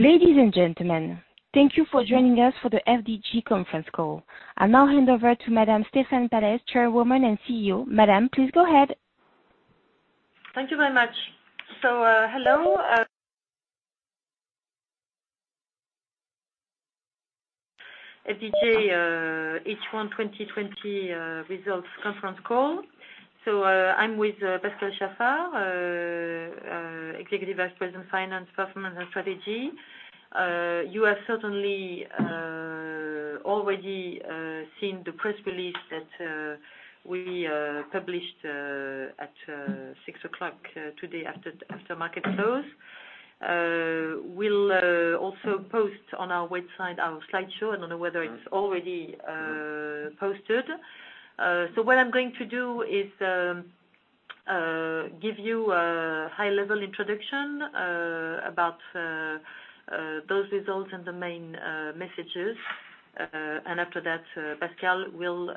Ladies and gentlemen, thank you for joining us for the FDJ Conference Call. I'll now hand over to Madame Stéphane Pallez, Chairwoman and CEO. Madame, please go ahead. Thank you very much. Hello. FDJ, H1 2020, Results Conference Call. I'm with Pascal Chaffard, Executive Vice President, Finance, Performance, and Strategy. You have certainly already seen the press release that we published at 6:00 P.M. today after market close. We'll also post on our website our slideshow. I don't know whether it's already posted. What I'm going to do is give you a high-level introduction about those results and the main messages. After that, Pascal will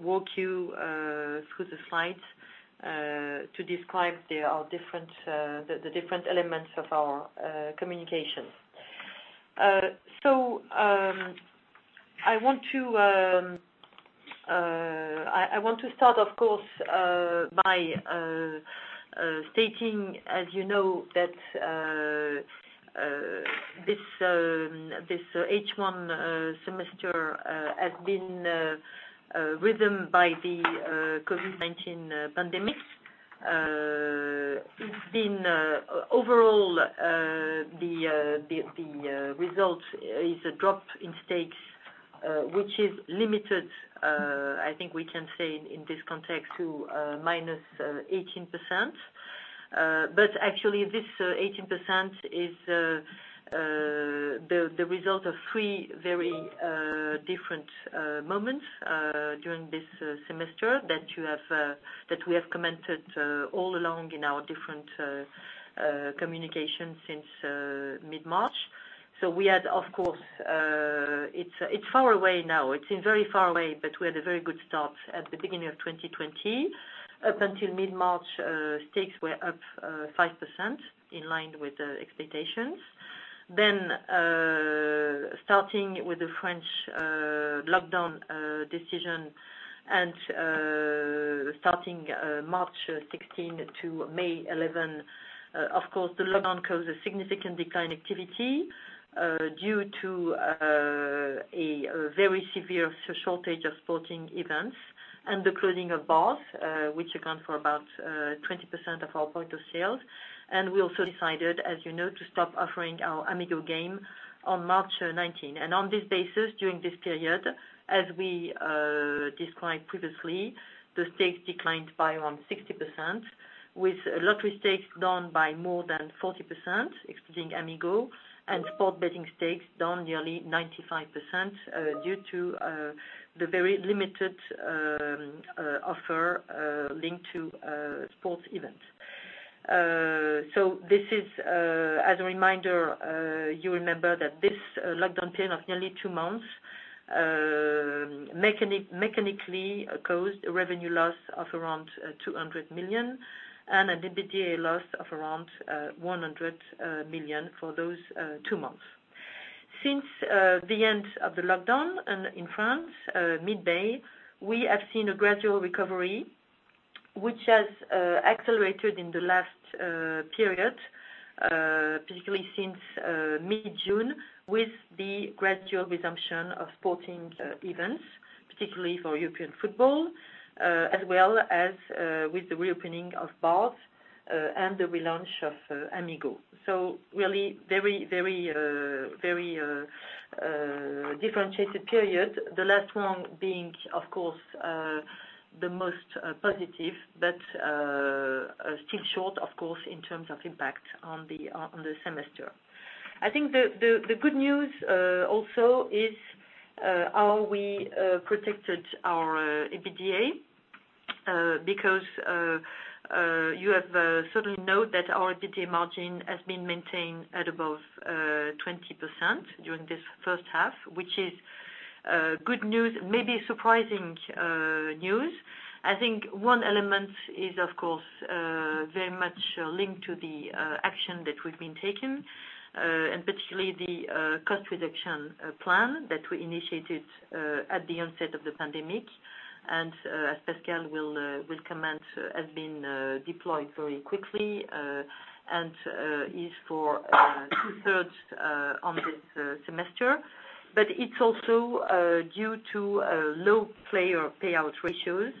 walk you through the slides to describe the different elements of our communication. I want to start, of course, by stating, as you know, that this H1 semester has been rhythmed by the COVID-19 pandemic. It's been, overall, the results is a drop in stakes, which is limited, I think we can say in this context to minus 18%. Actually, this 18% is the result of three very different moments during this semester that you have, that we have commented, all along in our different communications since mid-March. We had, of course, it's far away now. It's been very far away, but we had a very good start at the beginning of 2020. Up until mid-March, stakes were up 5% in line with expectations. Starting with the French lockdown decision and starting March 16th to May 11th, of course, the lockdown caused a significant decline in activity, due to a very severe shortage of sporting events and the closing of bars, which account for about 20% of our point of sales. We also decided, as you know, to stop offering our Amigo game on March 19th. On this basis, during this period, as we described previously, the stakes declined by around 60%, with lottery stakes down by more than 40%, excluding Amigo, and sports betting stakes down nearly 95%, due to the very limited offer linked to sports events. This is, as a reminder, you remember that this lockdown period of nearly two months mechanically caused a revenue loss of around 200 million and an EBITDA loss of around 100 million for those two months. Since the end of the lockdown in France, mid-May, we have seen a gradual recovery, which has accelerated in the last period, particularly since mid-June, with the gradual resumption of sporting events, particularly for European football, as well as with the reopening of bars and the relaunch of Amigo. Really very, very, very differentiated period, the last one being, of course, the most positive, but still short, of course, in terms of impact on the semester. I think the good news also is how we protected our EBITDA, because you have certainly noted that our EBITDA margin has been maintained at above 20% during this first half, which is good news, maybe surprising news. I think one element is, of course, very much linked to the action that we've been taking, and particularly the cost reduction plan that we initiated at the onset of the pandemic. As Pascal will comment, it has been deployed very quickly, and is for two-thirds on this semester. It is also due to low player payout ratios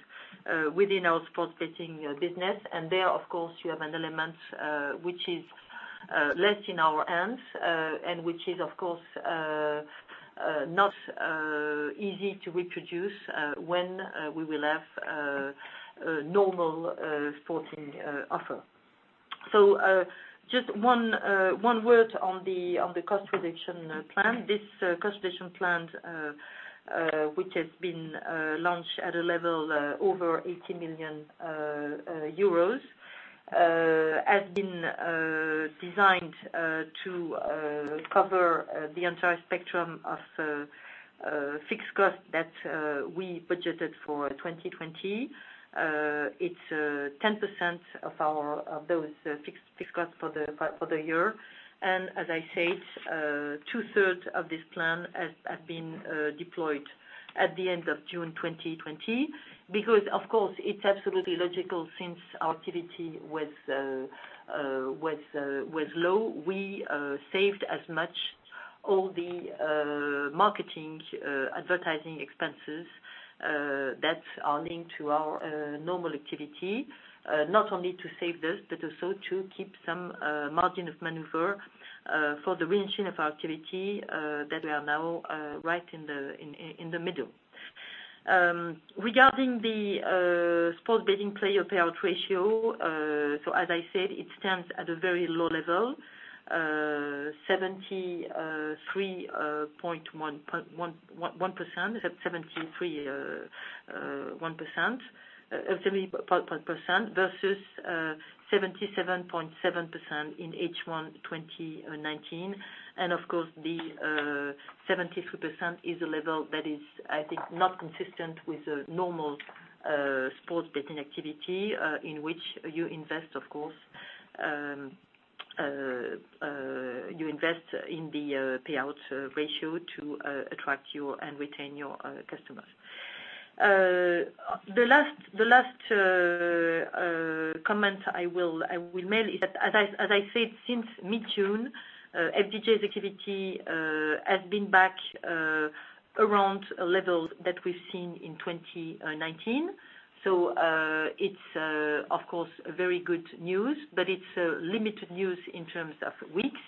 within our sports betting business. There, of course, you have an element, which is less in our hands, and which is, of course, not easy to reproduce, when we will have a normal sporting offer. Just one word on the cost reduction plan. This cost reduction plan, which has been launched at a level over EUR 80 million, has been designed to cover the entire spectrum of fixed costs that we budgeted for 2020. It's 10% of those fixed costs for the year. As I said, two-thirds of this plan has been deployed at the end of June 2020 because, of course, it's absolutely logical since our activity was low, we saved as much all the marketing, advertising expenses that are linked to our normal activity, not only to save those but also to keep some margin of maneuver for the re-engine of our activity, that we are now right in the middle. Regarding the sports betting player payout ratio, as I said, it stands at a very low level, 73.1%, 73.1% of 75.5% versus 77.7% in H1 2019. Of course, the 73% is a level that is, I think, not consistent with the normal sports betting activity, in which you invest, of course, you invest in the payout ratio to attract your and retain your customers. The last comment I will make is that, as I said, since mid-June, FDJ's activity has been back around a level that we've seen in 2019. It is, of course, very good news, but it is limited news in terms of weeks.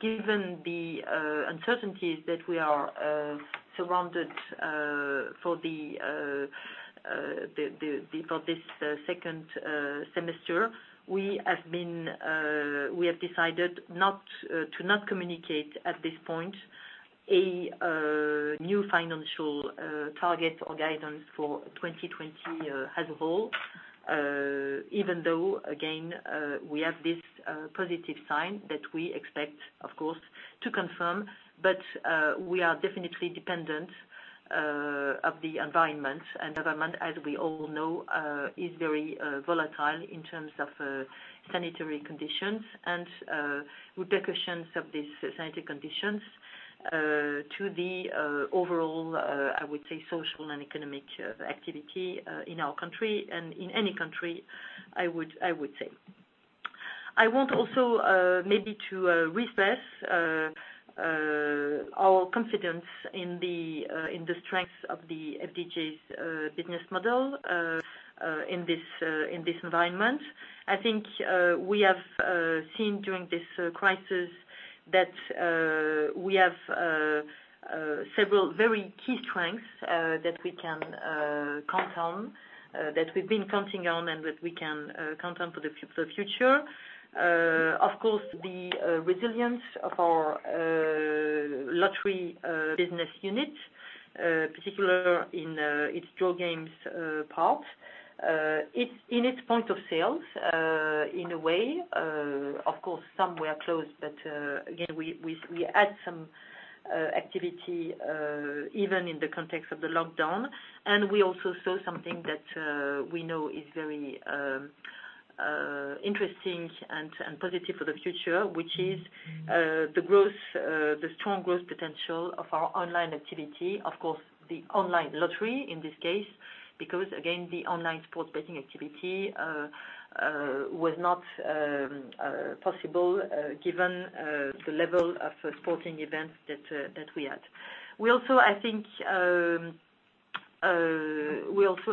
Given the uncertainties that we are surrounded, for this second semester, we have decided not to communicate at this point a new financial target or guidance for 2020 as a whole, even though, again, we have this positive sign that we expect, of course, to confirm. We are definitely dependent on the environment, and government, as we all know, is very volatile in terms of sanitary conditions and repercussions of these sanitary conditions to the overall, I would say, social and economic activity in our country and in any country, I would say. I want also, maybe, to reassess our confidence in the strengths of the FDJ's business model in this environment. I think we have seen during this crisis that we have several very key strengths that we can count on, that we've been counting on and that we can count on for the future. Of course, the resilience of our lottery business unit, particularly in its draw games part, it's in its point of sales, in a way. Of course, some were closed, but again, we had some activity, even in the context of the lockdown. We also saw something that we know is very interesting and positive for the future, which is the growth, the strong growth potential of our online activity, of course, the online lottery in this case, because again, the online sports betting activity was not possible, given the level of sporting events that we had. I think we also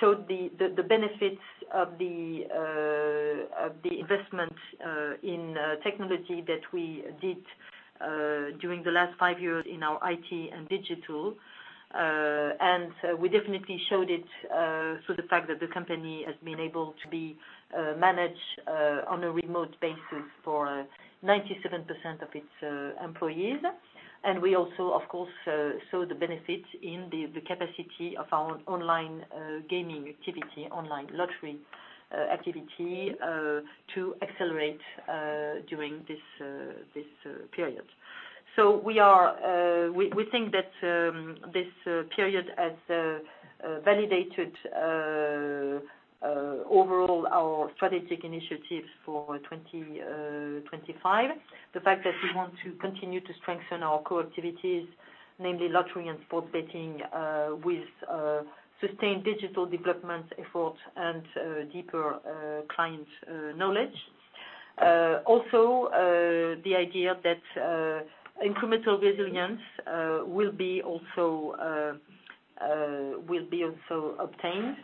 showed the benefits of the investment in technology that we did during the last five years in our IT and digital. We definitely showed it through the fact that the company has been able to be managed on a remote basis for 97% of its employees. We also, of course, saw the benefits in the capacity of our online gaming activity, online lottery activity, to accelerate during this period. We think that this period has validated overall our strategic initiatives for 2025, the fact that we want to continue to strengthen our core activities, namely lottery and sports betting, with sustained digital development efforts and deeper client knowledge. Also, the idea that incremental resilience will be also obtained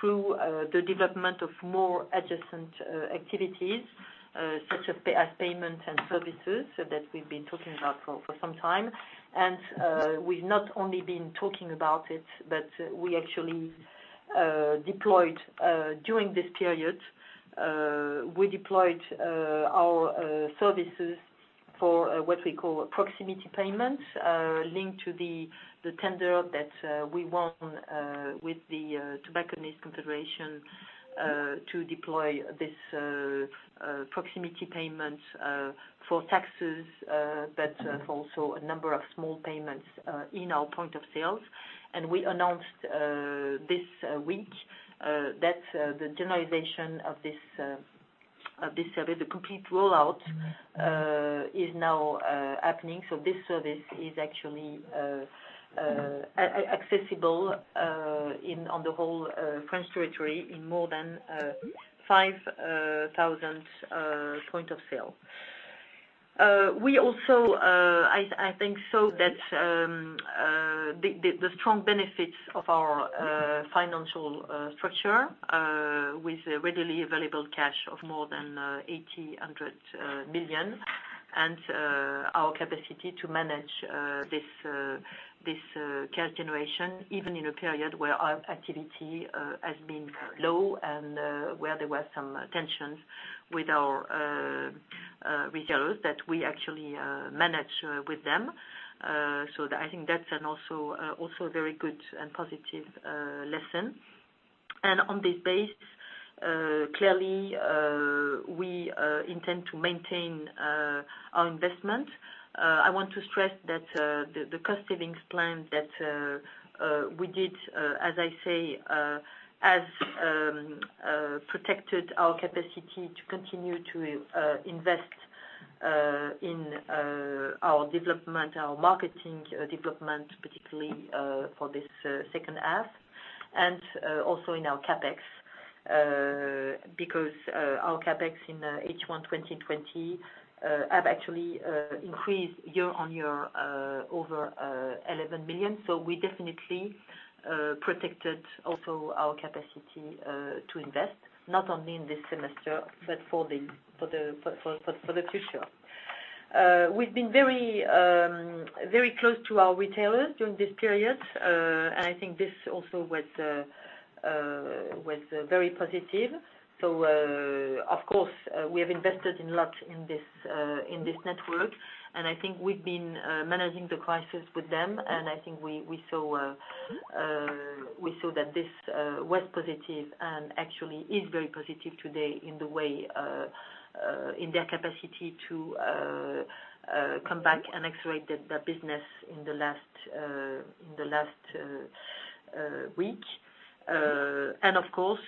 through the development of more adjacent activities, such as payment and services that we've been talking about for some time. We have not only been talking about it, but we actually deployed, during this period, we deployed our services for what we call proximity payments, linked to the tender that we won with the Tobacconist Confederation, to deploy this proximity payments for taxes, but also a number of small payments in our point of sales. We announced this week that the generalization of this service, the complete rollout, is now happening. This service is actually accessible on the whole French territory in more than 5,000 point of sale. We also, I think so that the strong benefits of our financial structure, with readily available cash of more than 800 million, and our capacity to manage this cash generation even in a period where our activity has been low and where there were some tensions with our resellers that we actually manage with them. I think that's an also very good and positive lesson. On this base, clearly, we intend to maintain our investment. I want to stress that the cost savings plan that we did, as I say, has protected our capacity to continue to invest in our development, our marketing development, particularly for this second half, and also in our Capex, because our Capex in H1 2020 have actually increased year on year, over 11 million. We definitely protected also our capacity to invest, not only in this semester, but for the future. We've been very, very close to our retailers during this period. I think this also was very positive. Of course, we have invested a lot in this network. I think we've been managing the crisis with them. I think we saw that this was positive and actually is very positive today in the way, in their capacity to come back and accelerate their business in the last week. Of course,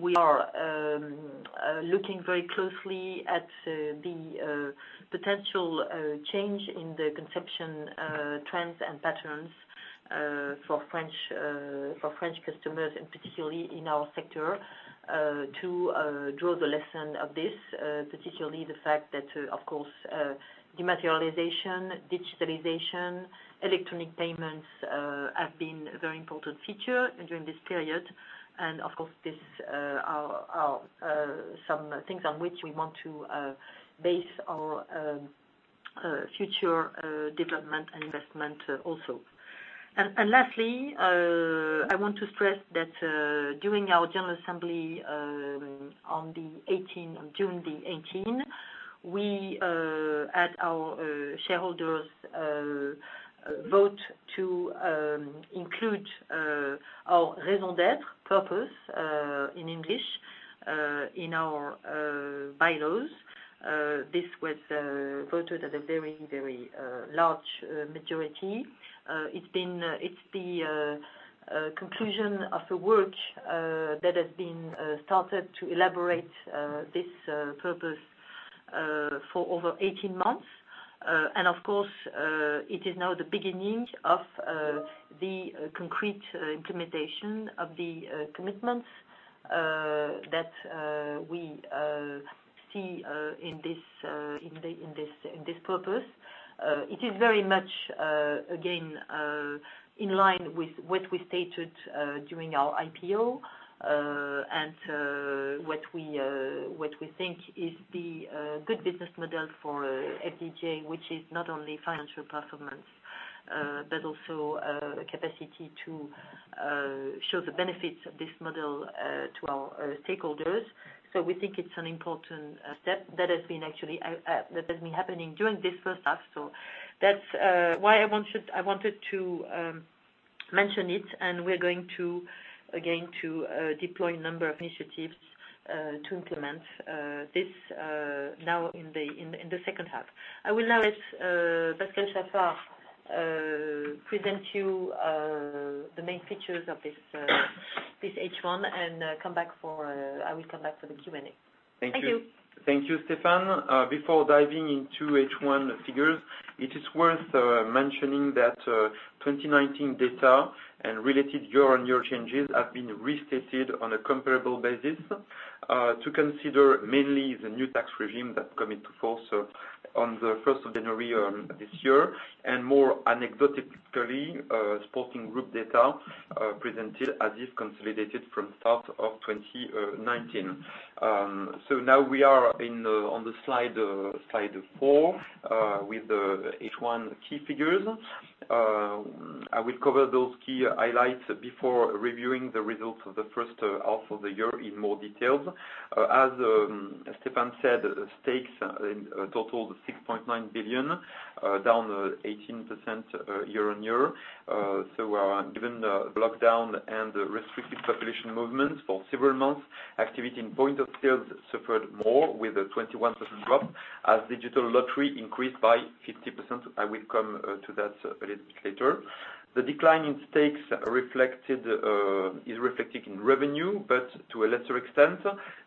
we are looking very closely at the potential change in the consumption trends and patterns for French customers, and particularly in our sector, to draw the lesson of this, particularly the fact that, of course, dematerialization, digitalization, electronic payments, have been very important features during this period. Of course, these are some things on which we want to base our future development and investment also. Lastly, I want to stress that during our general assembly, on June the 18th, we had our shareholders vote to include our raison d'être, purpose in English, in our bylaws. This was voted as a very, very large majority. It's the conclusion of the work that has been started to elaborate this purpose for over 18 months. Of course, it is now the beginning of the concrete implementation of the commitments that we see in this purpose. It is very much, again, in line with what we stated during our IPO, and what we think is the good business model for FDJ, which is not only financial performance, but also capacity to show the benefits of this model to our stakeholders. We think it's an important step that has been actually happening during this first half. That's why I wanted to mention it. We're going to, again, deploy a number of initiatives to implement this now in the second half. I will now let Pascal Chaffard present to you the main features of this, this H1 and come back for, I will come back for the Q&A. Thank you, Stéphane. Before diving into H1 figures, it is worth mentioning that 2019 data and related year-on-year changes have been restated on a comparable basis to consider mainly the new tax regime that came into force on the 1st of January this year, and more anecdotally, Sporting Group data presented as if consolidated from the start of 2019. Now we are on the slide, slide four, with the H1 key figures. I will cover those key highlights before reviewing the results of the first half of the year in more detail. As Stéphane said, stakes in totaled 6.9 billion, down 18% year on year. Given the lockdown and restricted population movements for several months, activity in point of sales suffered more with a 21% drop as digital lottery increased by 50%. I will come to that a little bit later. The decline in stakes is reflected in revenue, but to a lesser extent.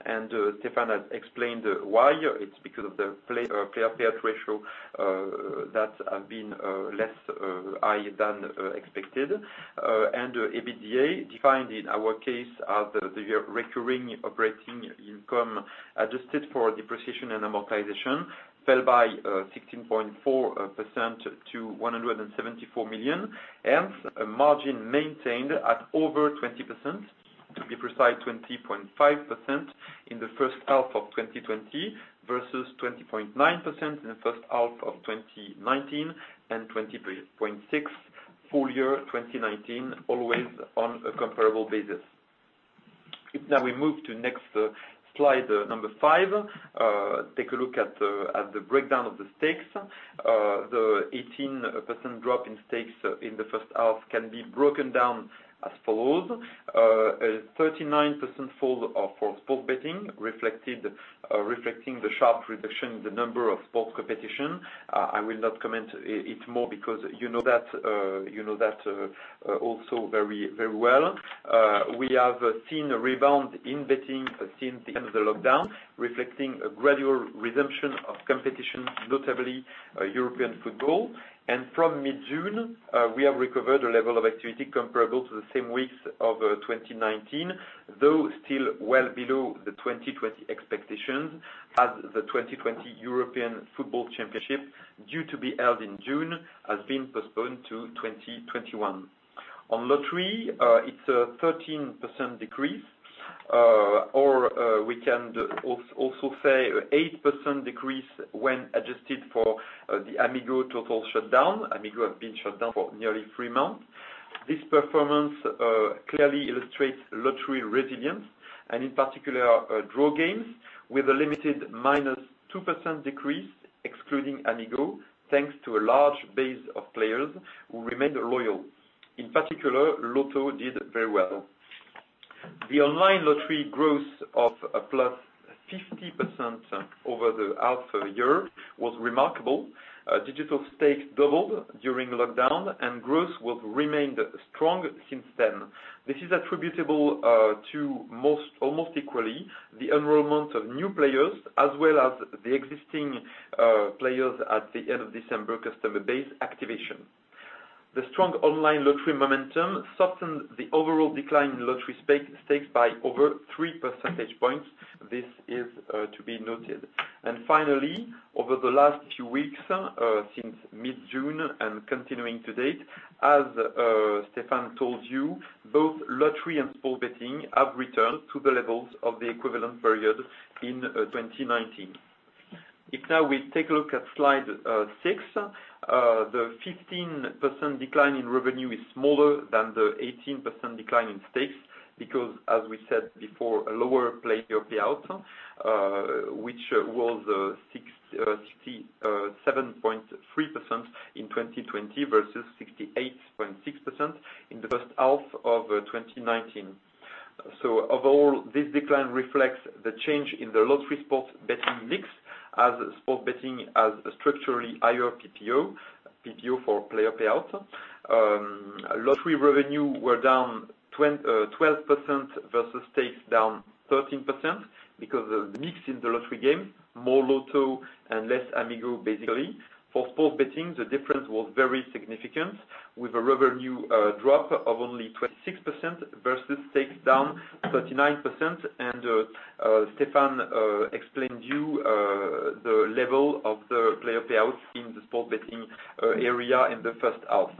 Stéphane has explained why. It's because of the player payout ratio that has been less high than expected. The EBITDA, defined in our case as the recurring operating income adjusted for depreciation and amortization, fell by 16.4% to 174 million, hence a margin maintained at over 20%, to be precise, 20.5% in the first half of 2020 versus 20.9% in the first half of 2019 and 20.6% full year 2019, always on a comparable basis. If now we move to next slide, number five, take a look at the breakdown of the stakes. The 18% drop in stakes in the first half can be broken down as follows. A 39% fall of sports betting, reflecting the sharp reduction in the number of sports competitions. I will not comment it more because you know that, you know that, also very, very well. We have seen a rebound in betting since the end of the lockdown, reflecting a gradual resumption of competition, notably European football. From mid-June, we have recovered a level of activity comparable to the same weeks of 2019, though still well below the 2020 expectations as the 2020 European Football Championship, due to be held in June, has been postponed to 2021. On lottery, it is a 13% decrease, or we can also say an 8% decrease when adjusted for the Amigo total shutdown. Amigo has been shut down for nearly three months. This performance clearly illustrates lottery resilience and, in particular, draw games with a limited -2% decrease, excluding Amigo, thanks to a large base of players who remained loyal. In particular, Lotto did very well. The online lottery growth of +50% over the half a year was remarkable. Digital stakes doubled during lockdown, and growth has remained strong since then. This is attributable to most, almost equally, the enrollment of new players as well as the existing players at the end of December customer base activation. The strong online lottery momentum softened the overall decline in lottery stakes by over 3 percentage points. This is to be noted. Finally, over the last few weeks, since mid-June and continuing to date, as Stéphane told you, both lottery and sports betting have returned to the levels of the equivalent period in 2019. If now we take a look at slide six, the 15% decline in revenue is smaller than the 18% decline in stakes because, as we said before, a lower player payout, which was 67.3% in 2020 versus 68.6% in the first half of 2019. Overall, this decline reflects the change in the lottery sports betting mix as sports betting has a structurally higher PPO, PPO for player payout. Lottery revenue were down 12% versus stakes down 13% because the mix in the lottery game, more Lotto and less Amigo, basically. For sports betting, the difference was very significant with a revenue drop of only 26% versus stakes down 39%. Stéphane explained to you the level of the player payouts in the sports betting area in the first half.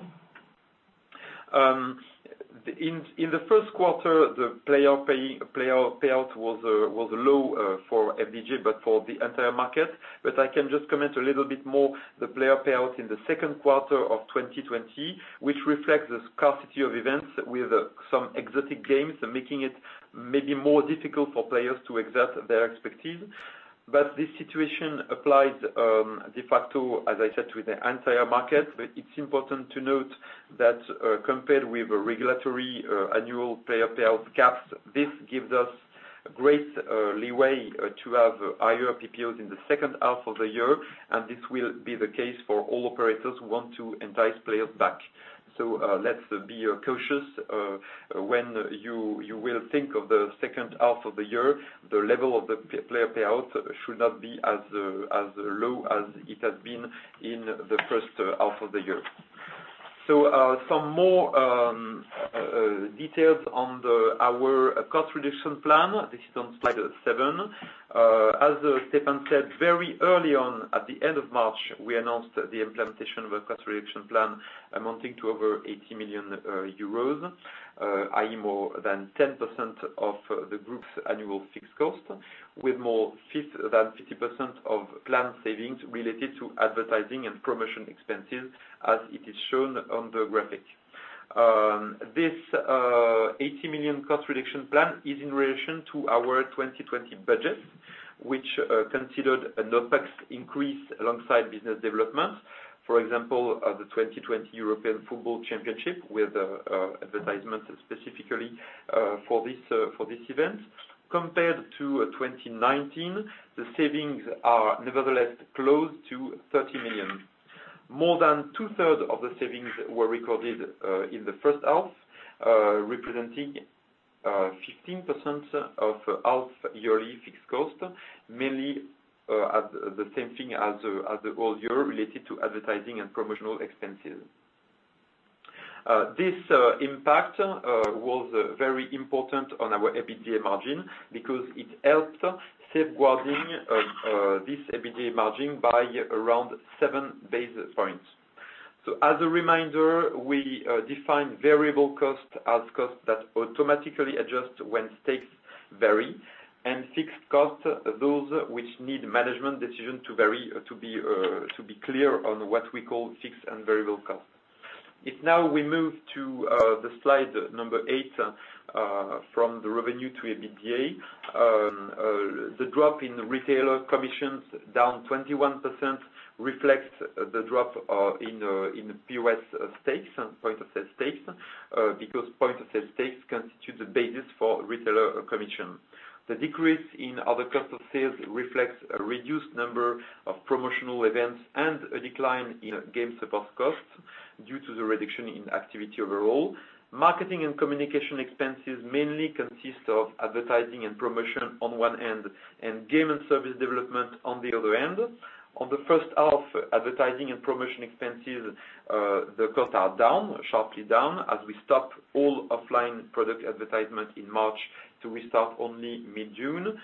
In the first quarter, the player payout was low for FDJ, but for the entire market. I can just comment a little bit more. The player payout in the second quarter of 2020 reflects the scarcity of events, with some exotic games making it maybe more difficult for players to exert their expertise. This situation applies, de facto, as I said, to the entire market. It is important to note that, compared with the regulatory annual player payout caps, this gives us great leeway to have higher PPOs in the second half of the year. This will be the case for all operators who want to entice players back. Let's be cautious when you think of the second half of the year, the level of the player payouts should not be as low as it has been in the first half of the year. Some more details on our cost reduction plan. This is on slide seven. As Stéphane said, very early on, at the end of March, we announced the implementation of a cost reduction plan amounting to over 80 million euros, i.e., more than 10% of the group's annual fixed cost, with more than 50% of planned savings related to advertising and promotion expenses, as it is shown on the graphic. This 80 million cost reduction plan is in relation to our 2020 budget, which considered an OpEX increase alongside business development, for example, the 2020 European Football Championship with advertisements specifically for this event. Compared to 2019, the savings are nevertheless close to 30 million. More than two-thirds of the savings were recorded in the first half, representing 15% of half yearly fixed cost, mainly at the same thing as the whole year related to advertising and promotional expenses. This impact was very important on our EBITDA margin because it helped safeguarding this EBITDA margin by around seven basis points. As a reminder, we define variable cost as cost that automatically adjusts when stakes vary, and fixed cost, those which need management decision to vary, to be clear on what we call fixed and variable cost. If now we move to the slide number eight, from the revenue to EBITDA, the drop in retailer commissions down 21% reflects the drop in POS stakes, point-of-sale stakes, because point-of-sale stakes constitute the basis for retailer commission. The decrease in other cost of sales reflects a reduced number of promotional events and a decline in game support cost due to the reduction in activity overall. Marketing and communication expenses mainly consist of advertising and promotion on one end and game and service development on the other end. In the first half, advertising and promotion expenses, the costs are down, sharply down, as we stopped all offline product advertisement in March to restart only mid-June.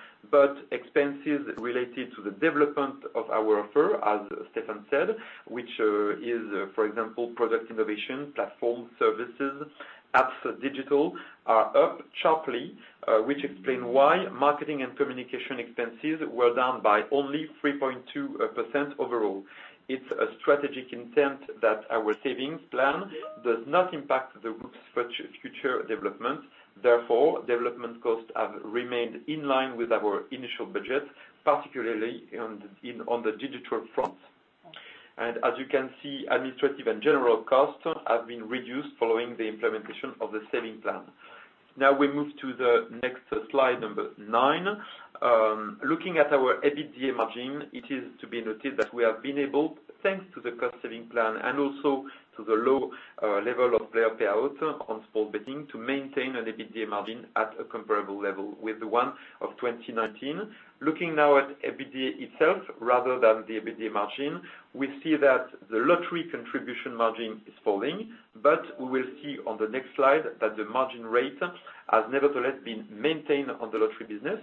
Expenses related to the development of our offer, as Stéphane said, which is, for example, product innovation, platform services, apps digital, are up sharply, which explains why marketing and communication expenses were down by only 3.2% overall. It is a strategic intent that our savings plan does not impact the group's future development. Therefore, development costs have remained in line with our initial budget, particularly on the digital front. As you can see, administrative and general costs have been reduced following the implementation of the saving plan. Now we move to the next slide, number nine. Looking at our EBITDA margin, it is to be noted that we have been able, thanks to the cost saving plan and also to the low level of player payout on sports betting, to maintain an EBITDA margin at a comparable level with the one of 2019. Looking now at EBITDA itself rather than the EBITDA margin, we see that the lottery contribution margin is falling, but we will see on the next slide that the margin rate has nevertheless been maintained on the lottery business.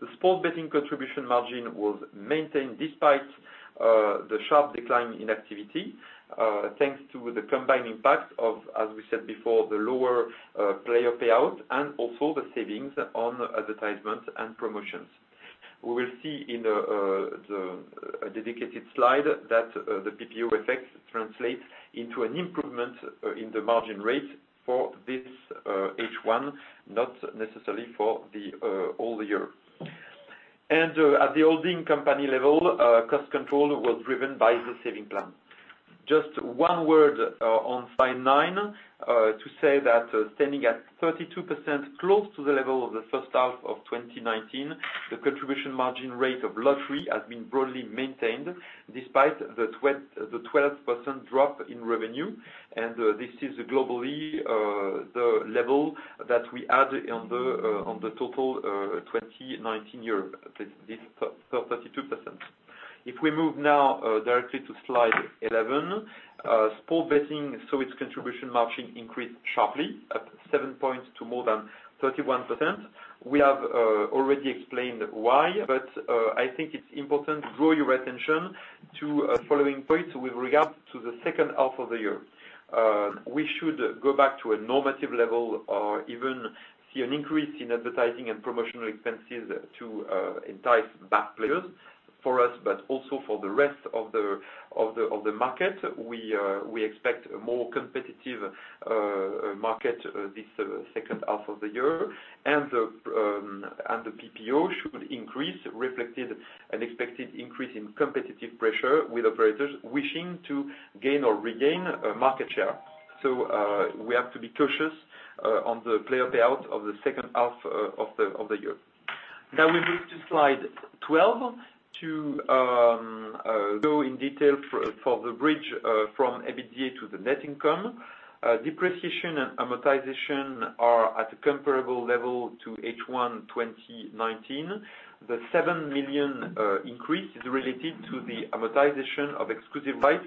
The sports betting contribution margin was maintained despite the sharp decline in activity, thanks to the combined impact of, as we said before, the lower player payout and also the savings on advertisements and promotions. We will see in the dedicated slide that the PPO effects translate into an improvement in the margin rate for this H1, not necessarily for the whole year. At the holding company level, cost control was driven by the saving plan. Just one word on slide nine to say that, standing at 32% close to the level of the first half of 2019, the contribution margin rate of lottery has been broadly maintained despite the 12% drop in revenue. This is globally the level that we had on the total 2019 year, this 32%. If we move now directly to slide 11, sports betting's contribution margin increased sharply, up 7 percentage points to more than 31%. We have already explained why, but I think it is important to draw your attention to the following points with regard to the second half of the year. We should go back to a normative level or even see an increase in advertising and promotional expenses to entice back players for us, but also for the rest of the market. We expect a more competitive market this second half of the year. The PPO should increase, reflecting an expected increase in competitive pressure with operators wishing to gain or regain a market share. We have to be cautious on the player payout of the second half of the year. Now we move to slide 12 to go in detail for the bridge from EBITDA to the net income. Depreciation and amortization are at a comparable level to H1 2019. The 7 million increase is related to the amortization of exclusive rights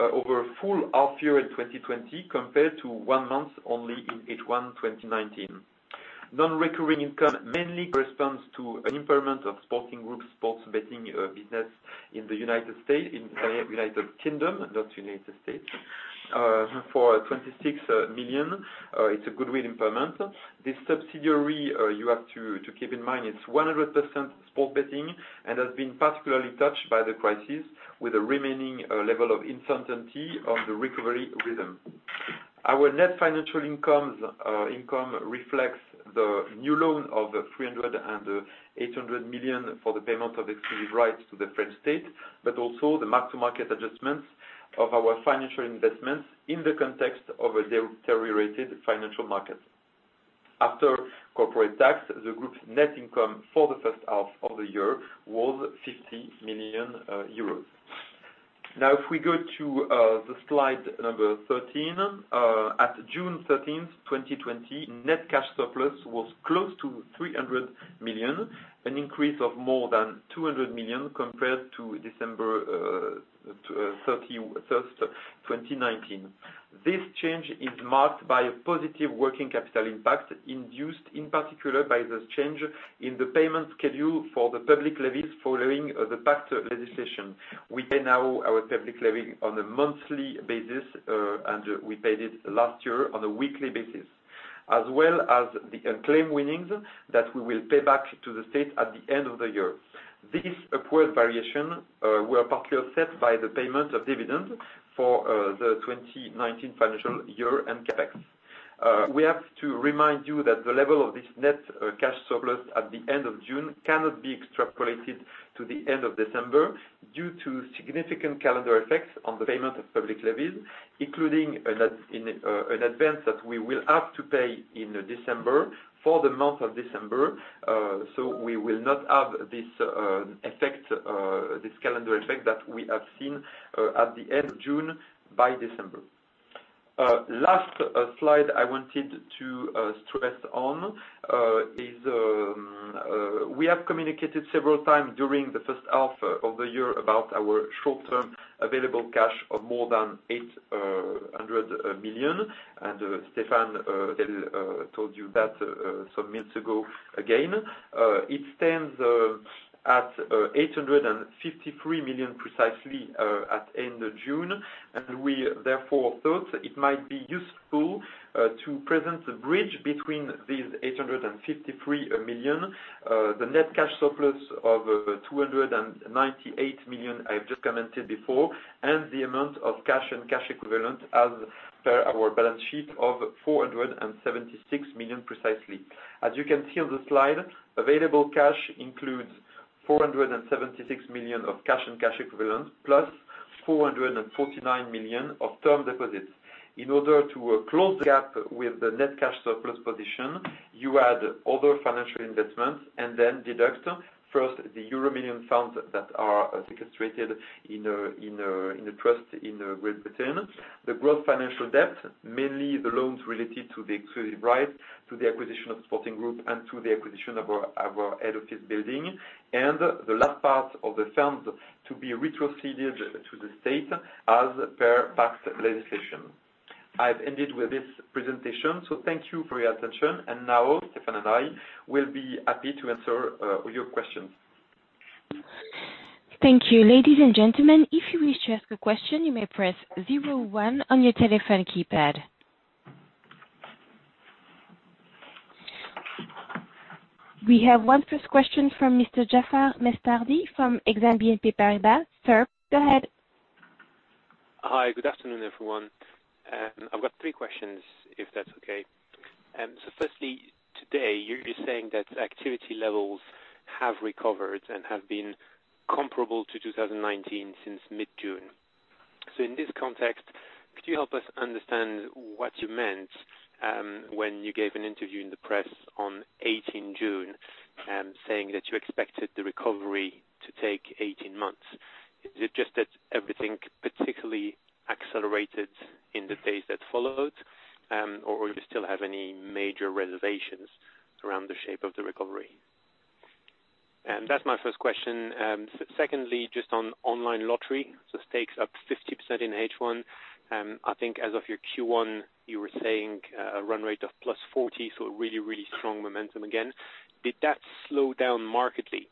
over full half year in 2020 compared to one month only in H1 2019. Non-recurring income mainly corresponds to an impairment of Sporting Group sports betting business in the U.K., not United States. For 26 million, it's a goodwill impairment. This subsidiary, you have to keep in mind, it's 100% sports betting and has been particularly touched by the crisis with a remaining level of insolvency on the recovery rhythm. Our net financial income reflects the new loan of 300 million and 800 million for the payment of exclusive rights to the French state, but also the mark-to-market adjustments of our financial investments in the context of a deteriorated financial market. After corporate tax, the group's net income for the first half of the year was 50 million euros. Now, if we go to the slide number 13, at June 13, 2020, net cash surplus was close to 300 million, an increase of more than 200 million compared to December 31, 2019. This change is marked by a positive working capital impact induced in particular by the change in the payment schedule for the public levies following the PACT legislation. We pay now our public levy on a monthly basis, and we paid it last year on a weekly basis, as well as the unclaimed winnings that we will pay back to the state at the end of the year. This upward variation was particularly set by the payment of dividends for the 2019 financial year and CapEx. We have to remind you that the level of this net cash surplus at the end of June cannot be extrapolated to the end of December due to significant calendar effects on the payment of public levies, including an advance that we will have to pay in December for the month of December. We will not have this effect, this calendar effect that we have seen at the end of June by December. Last slide I wanted to stress on is, we have communicated several times during the first half of the year about our short-term available cash of more than 800 million. Stéphane told you that some minutes ago again. It stands at 853 million precisely at the end of June. We therefore thought it might be useful to present the bridge between these 853 million, the net cash surplus of 298 million I've just commented before, and the amount of cash and cash equivalent as per our balance sheet of 476 million precisely. As you can see on the slide, available cash includes 476 million of cash and cash equivalent plus 449 million of term deposits. In order to close the gap with the net cash surplus position, you add other financial investments and then deduct first the EuroMillions funds that are sequestrated in the trust in Great Britain, the gross financial debt, mainly the loans related to the exclusive rights to the acquisition of Sporting Group and to the acquisition of our head office building, and the last part of the funds to be retroceded to the state as per PACT legislation. I've ended with this presentation. Thank you for your attention. Stéphane and I will be happy to answer all your questions. Thank you. Ladies and gentlemen, if you wish to ask a question, you may press zero one on your telephone keypad. We have one first question from Mr. Jaafar Mestari from Exane BNP Paribas. Sir, go ahead. Hi, good afternoon, everyone. I've got three questions, if that's okay. Firstly, today, you're saying that activity levels have recovered and have been comparable to 2019 since mid-June. In this context, could you help us understand what you meant, when you gave an interview in the press on 18 June, saying that you expected the recovery to take 18 months? Is it just that everything particularly accelerated in the days that followed, or you still have any major reservations around the shape of the recovery? That's my first question. Secondly, just on online lottery, the stakes up 50% in H1. I think as of your Q1, you were saying, a run rate of plus 40, so a really, really strong momentum again. Did that slow down markedly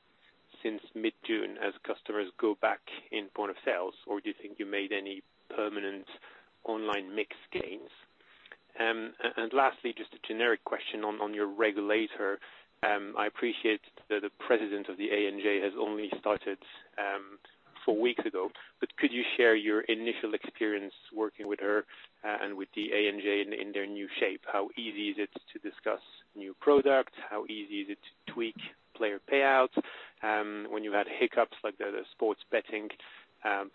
since mid-June as customers go back in point of sales, or do you think you made any permanent online mix gains? And lastly, just a generic question on your regulator. I appreciate that the president of the ANJ has only started four weeks ago, but could you share your initial experience working with her, and with the ANJ in their new shape? How easy is it to discuss new product? How easy is it to tweak player payouts? When you had hiccups like the sports betting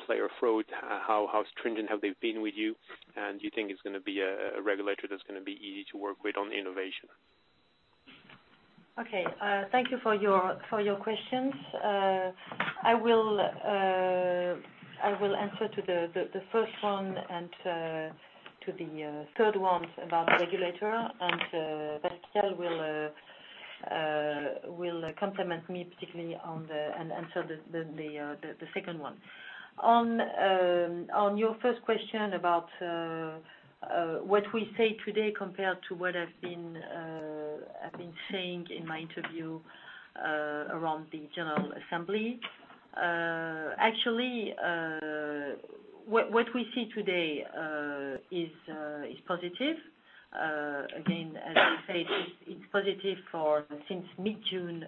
player fraud, how stringent have they been with you? And do you think it's gonna be a regulator that's gonna be easy to work with on innovation? Okay. Thank you for your questions. I will answer to the first one and to the third one about the regulator. Pascal will complement me particularly on the and answer the second one. On your first question about what we say today compared to what I've been saying in my interview around the general assembly, actually, what we see today is positive. Again, as I said, it's positive for since mid-June,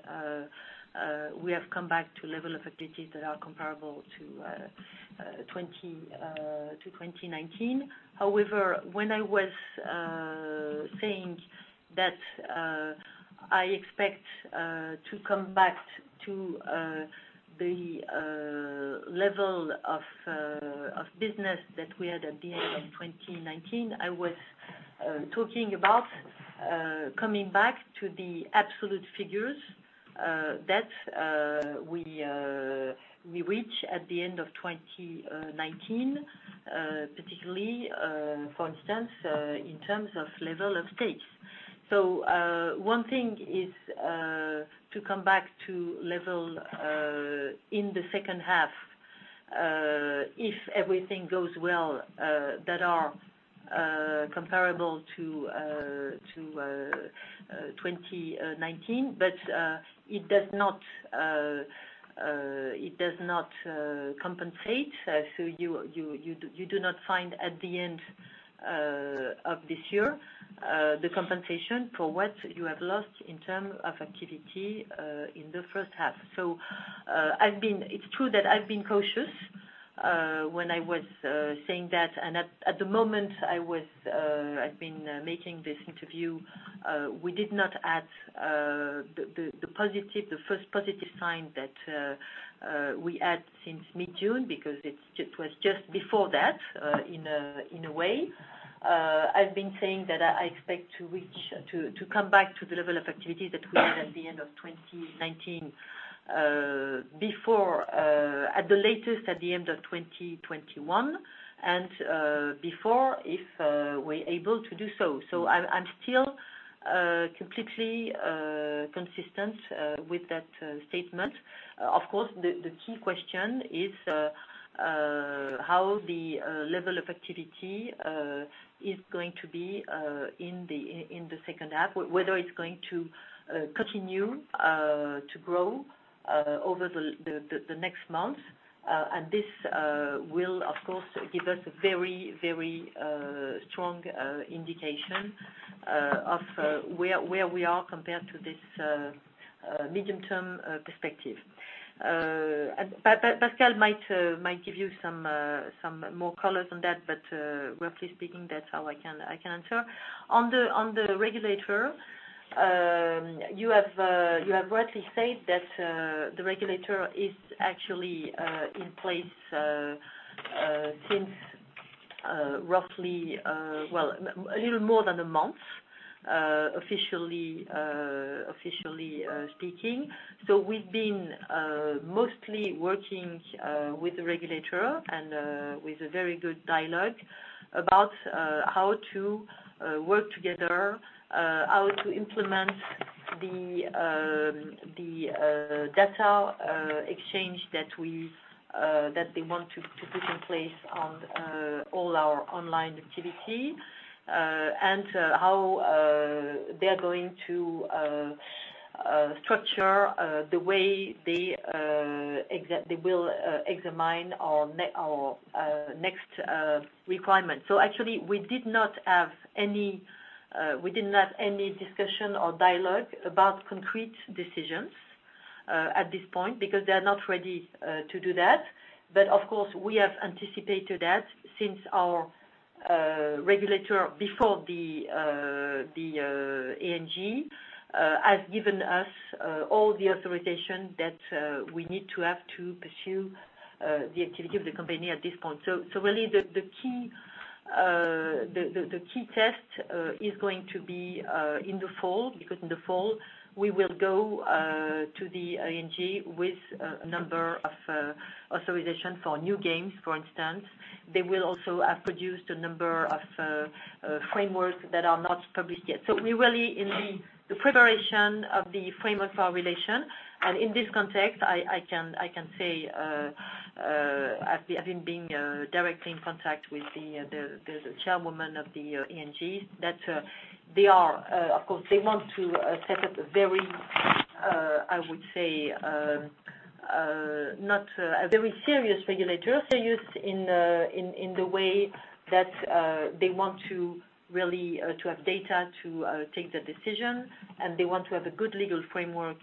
we have come back to level of activities that are comparable to 2019. However, when I was saying that I expect to come back to the level of business that we had at the end of 2019, I was talking about coming back to the absolute figures that we reached at the end of 2019, particularly, for instance, in terms of level of stakes. One thing is to come back to levels in the second half, if everything goes well, that are comparable to 2019. It does not compensate. You do not find at the end of this year the compensation for what you have lost in terms of activity in the first half. I've been, it's true that I've been cautious when I was saying that. At the moment, I was, I've been making this interview, we did not add the first positive sign that we had since mid-June because it was just before that, in a way. I've been saying that I expect to reach, to come back to the level of activities that we had at the end of 2019, before, at the latest at the end of 2021 and, before if we're able to do so. I'm still completely consistent with that statement. Of course, the key question is how the level of activity is going to be in the second half, whether it's going to continue to grow over the next month. This will, of course, give us a very, very strong indication of where we are compared to this medium-term perspective. Pascal might give you some more colors on that, but, roughly speaking, that's how I can answer. On the regulator, you have rightly said that the regulator is actually in place, since, roughly, a little more than a month, officially speaking. We have been mostly working with the regulator and with a very good dialogue about how to work together, how to implement the data exchange that they want to put in place on all our online activity, and how they're going to structure the way they will examine our next requirement. Actually, we did not have any, we didn't have any discussion or dialogue about concrete decisions at this point because they're not ready to do that. Of course, we have anticipated that since our regulator before, the ANJ, has given us all the authorization that we need to have to pursue the activity of the company at this point. Really, the key, the key test is going to be in the fall because in the fall, we will go to the ANJ with a number of authorizations for new games, for instance. They will also have produced a number of frameworks that are not published yet. We're really in the preparation of the framework for our relation. In this context, I can say, as I have been directly in contact with the Chairwoman of the ANJ, that they are, of course, wanting to set up a very, I would say, serious regulator, serious in the way that they want to really have data to take the decision. They want to have a good legal framework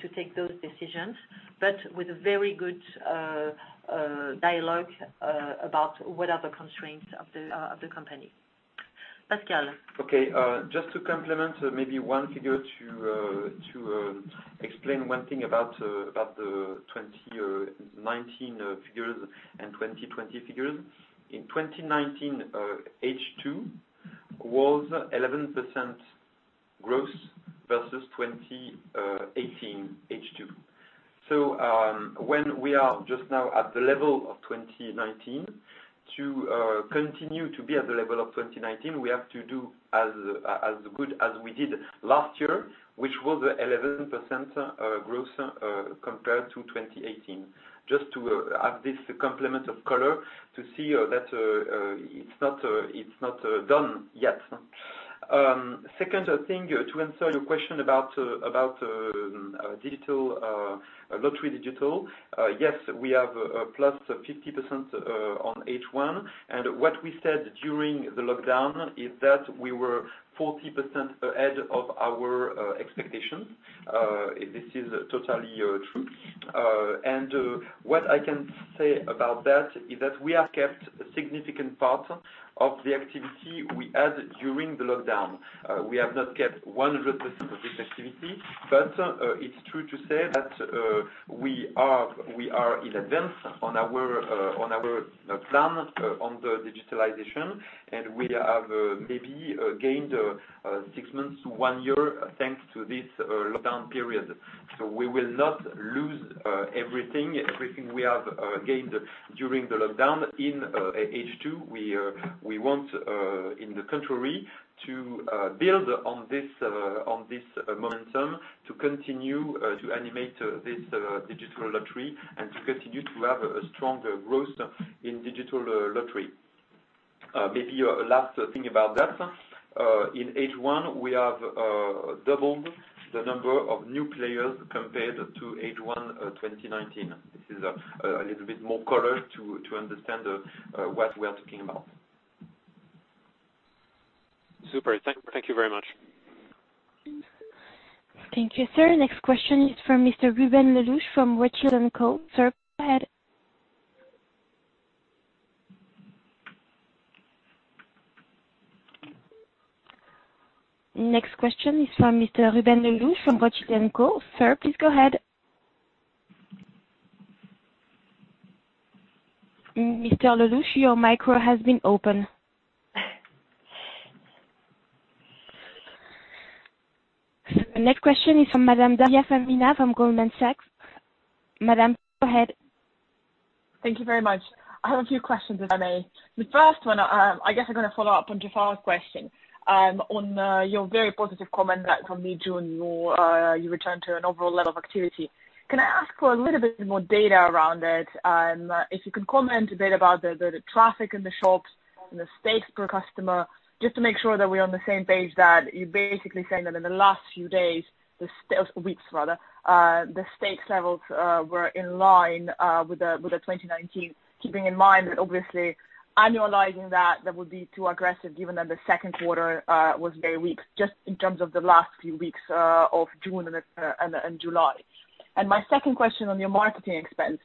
to take those decisions, but with a very good dialogue about what are the constraints of the company. Pascal. Okay. Just to complement, maybe one figure to explain one thing about the 2019 figures and 2020 figures. In 2019, H2 was 11% gross versus 2018 H2. When we are just now at the level of 2019, to continue to be at the level of 2019, we have to do as good as we did last year, which was 11% gross compared to 2018. Just to have this complement of color to see that it's not done yet. Second thing, to answer your question about digital, lottery digital, yes, we have plus 50% on H1. What we said during the lockdown is that we were 40% ahead of our expectations. This is totally true. What I can say about that is that we have kept a significant part of the activity we had during the lockdown. We have not kept 100% of this activity, but it's true to say that we are in advance on our plan, on the digitalization. We have maybe gained six months to one year thanks to this lockdown period. We will not lose everything we have gained during the lockdown in H2. We want, on the contrary, to build on this momentum to continue to animate this digital lottery and to continue to have a stronger growth in digital lottery. Maybe a last thing about that. In H1, we have doubled the number of new players compared to H1 2019. This is a little bit more color to understand what we are talking about. Super. Thank you very much. Thank you, sir. Next question is from Mr. Ruben Lelouch from Rothschild & Co. Sir, go ahead. Next question is from Mr. Ruben Lelouch from Rothschild & Co. Sir, please go ahead. Mr. Lelouch, your micro has been opened. The next question is from Madame Dalia Famina from Goldman Sachs. Madame, go ahead. Thank you very much. I have a few questions, if I may. The first one, I guess I'm gonna follow up on Jafar's question, on your very positive comment that from mid-June, you returned to an overall level of activity. Can I ask for a little bit more data around it? If you can comment a bit about the traffic in the shops, in the stakes per customer, just to make sure that we're on the same page, that you're basically saying that in the last few days, the weeks, rather, the stakes levels were in line with the 2019, keeping in mind that obviously annualizing that, that would be too aggressive given that the second quarter was very weak, just in terms of the last few weeks of June and July. My second question on your marketing expense,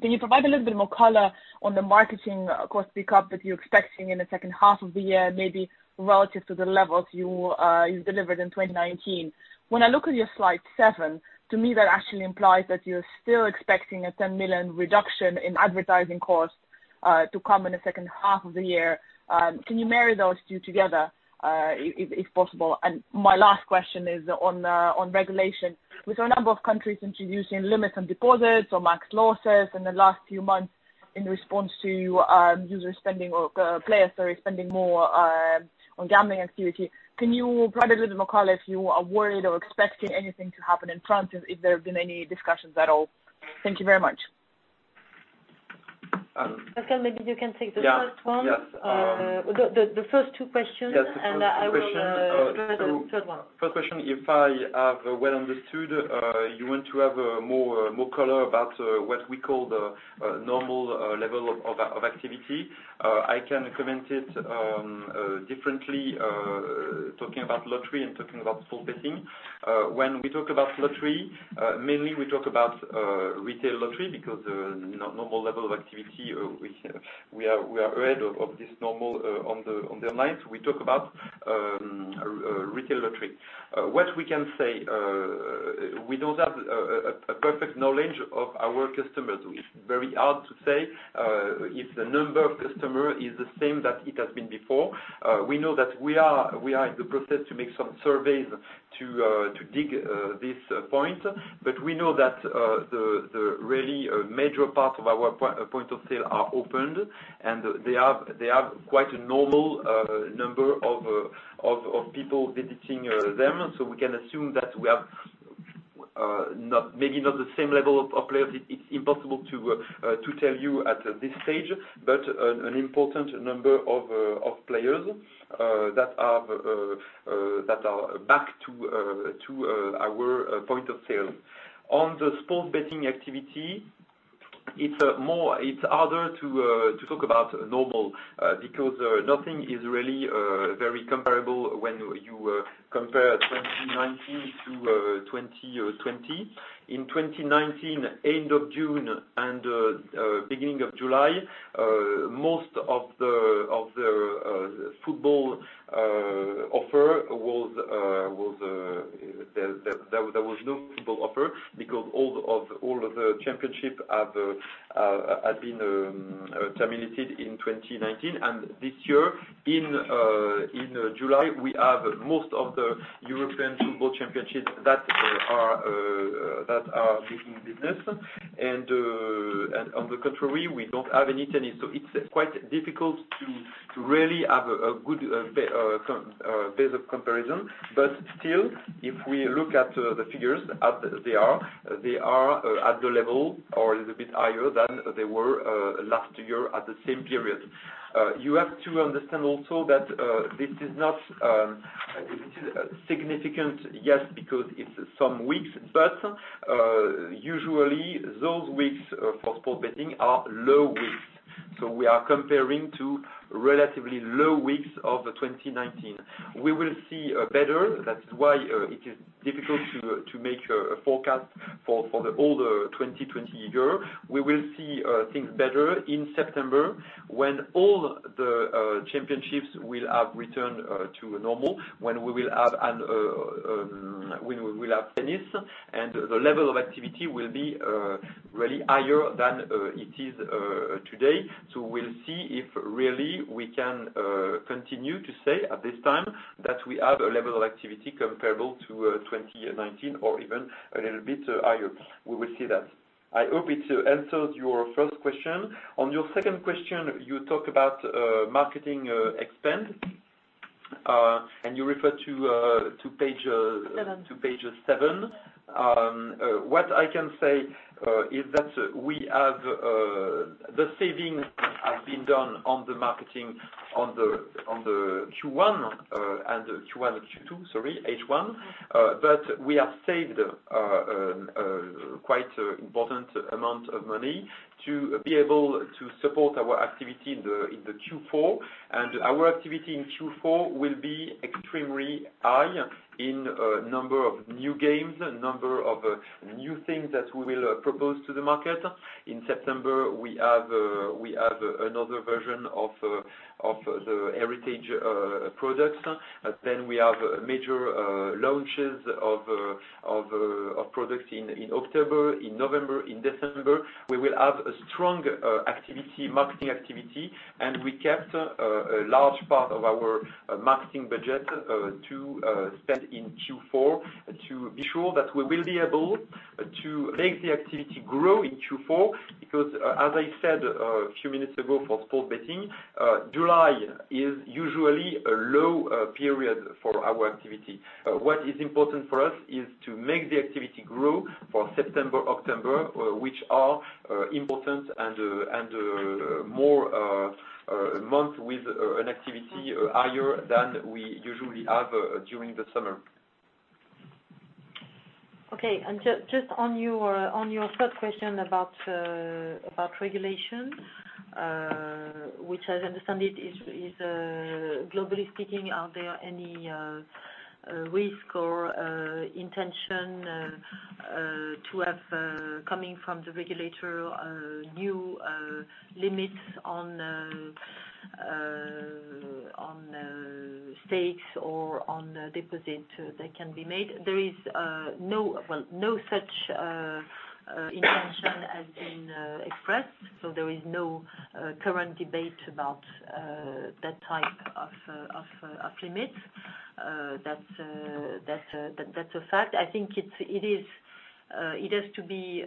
can you provide a little bit more color on the marketing, cost pickup that you're expecting in the second half of the year, maybe relative to the levels you delivered in 2019? When I look at your slide seven, to me, that actually implies that you're still expecting a 10 million reduction in advertising cost to come in the second half of the year. Can you marry those two together, if possible? My last question is on regulation. We saw a number of countries introducing limits on deposits or max losses in the last few months in response to users spending or players, sorry, spending more on gambling activity. Can you provide a little bit more color if you are worried or expecting anything to happen in France? If there have been any discussions at all? Thank you very much. Pascal, maybe you can take the first one. Yeah. Yes. The first two questions. Yes. The first question. I will, the third one. First question, if I have well understood, you want to have more color about what we call the normal level of activity. I can comment it differently, talking about lottery and talking about small betting. When we talk about lottery, mainly we talk about retail lottery because normal level of activity, we are aware of this normal on the online. So we talk about retail lottery. What we can say, we do not have a perfect knowledge of our customers. It's very hard to say if the number of customers is the same that it has been before. We know that we are in the process to make some surveys to dig this point. We know that the really major part of our point of sale are opened, and they have quite a normal number of people visiting them. We can assume that we have, maybe not the same level of players, it's impossible to tell you at this stage, but an important number of players that are back to our point of sale. On the sports betting activity, it's harder to talk about normal, because nothing is really very comparable when you compare 2019 to 2020. In 2019, end of June and beginning of July, most of the football offer was, there was no football offer because all of the championships had been terminated in 2019. This year, in July, we have most of the European football championships that are in business. On the contrary, we do not have any tennis. It is quite difficult to really have a good base of comparison. Still, if we look at the figures as they are, they are at the level or a little bit higher than they were last year at the same period. You have to understand also that this is significant, yes, because it is some weeks, but usually those weeks for sports betting are low weeks. We are comparing to relatively low weeks of 2019. We will see better. That is why it is difficult to make a forecast for the whole 2020 year. We will see things better in September when all the championships will have returned to normal, when we will have an, when we will have tennis, and the level of activity will be really higher than it is today. We will see if really we can continue to say at this time that we have a level of activity comparable to 2019 or even a little bit higher. We will see that. I hope it answers your first question. On your second question, you talk about marketing expense, and you referred to page, Seven. To page seven. What I can say is that we have, the saving has been done on the marketing on the, on the Q1, and Q1 and Q2, sorry, H1. We have saved quite an important amount of money to be able to support our activity in the, in the Q4. Our activity in Q4 will be extremely high in number of new games, number of new things that we will propose to the market. In September, we have, we have another version of the heritage products. We have major launches of products in October, in November, in December. We will have a strong marketing activity, and we kept a large part of our marketing budget to spend in Q4 to be sure that we will be able to make the activity grow in Q4 because, as I said a few minutes ago, for sports betting, July is usually a low period for our activity. What is important for us is to make the activity grow for September, October, which are important and more months with an activity higher than we usually have during the summer. Okay. Just on your third question about regulation, which I understand is, globally speaking, are there any risk or intention to have, coming from the regulator, new limits on stakes or on deposits that can be made? There is no, well, no such intention has been expressed. So there is no current debate about that type of limits. That's a fact. I think it is, it has to be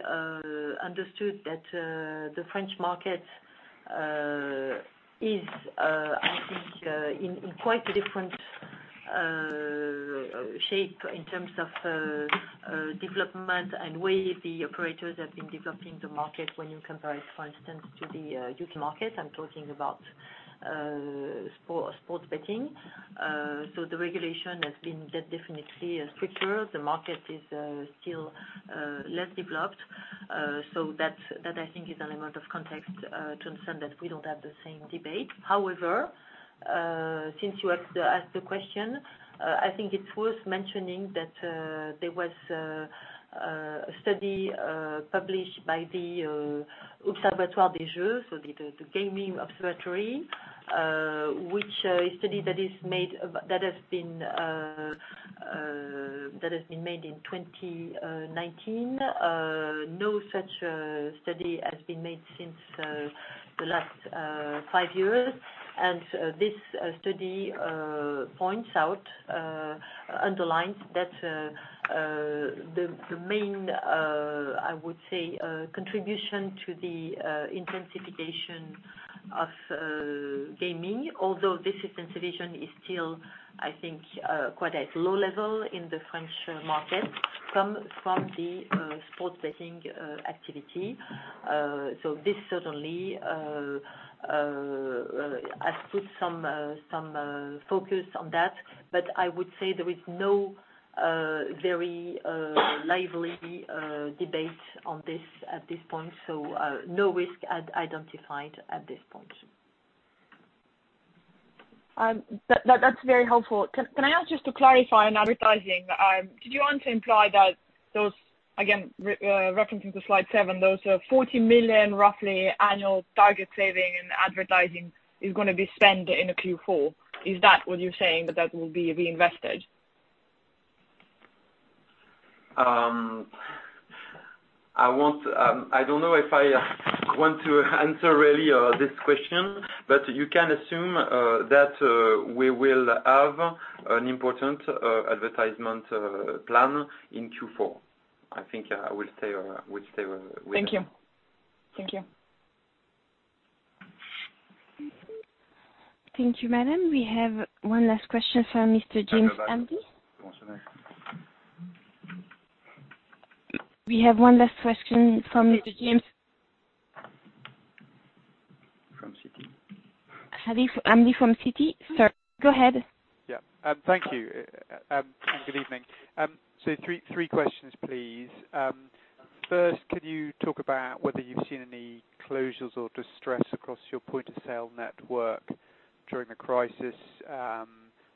understood that the French market is, I think, in quite a different shape in terms of development and way the operators have been developing the market when you compare, for instance, to the U.K. market. I'm talking about sports betting. The regulation has been definitely stricter. The market is still less developed. That, I think, is an element of context to understand that we do not have the same debate. However, since you asked the question, I think it is worth mentioning that there was a study published by the Observatoire des Jeux, the Gaming Observatory, which is a study that has been made in 2019. No such study has been made since the last five years. This study points out, underlines that the main, I would say, contribution to the intensification of gaming, although this intensification is still, I think, quite at a low level in the French market from the sports betting activity. This certainly has put some focus on that. I would say there is no very lively debate on this at this point. No risk identified at this point. That's very helpful. Can I ask just to clarify on advertising? Did you want to imply that those, again, referencing to slide seven, those 40 million roughly annual target saving in advertising is gonna be spent in Q4? Is that what you're saying, that that will be reinvested? I want, I don't know if I want to answer really this question, but you can assume that we will have an important advertisement plan in Q4. I think I will stay with. Thank you. Thank you. Thank you, Madame. We have one last question from Mr. James Andy. Bonsoir. Bonsoir. We have one last question from Mr. James. From Citi? Andy from Citi. Sorry. Go ahead. Thank you. Good evening. Three questions, please. First, could you talk about whether you've seen any closures or distress across your point of sale network during the crisis,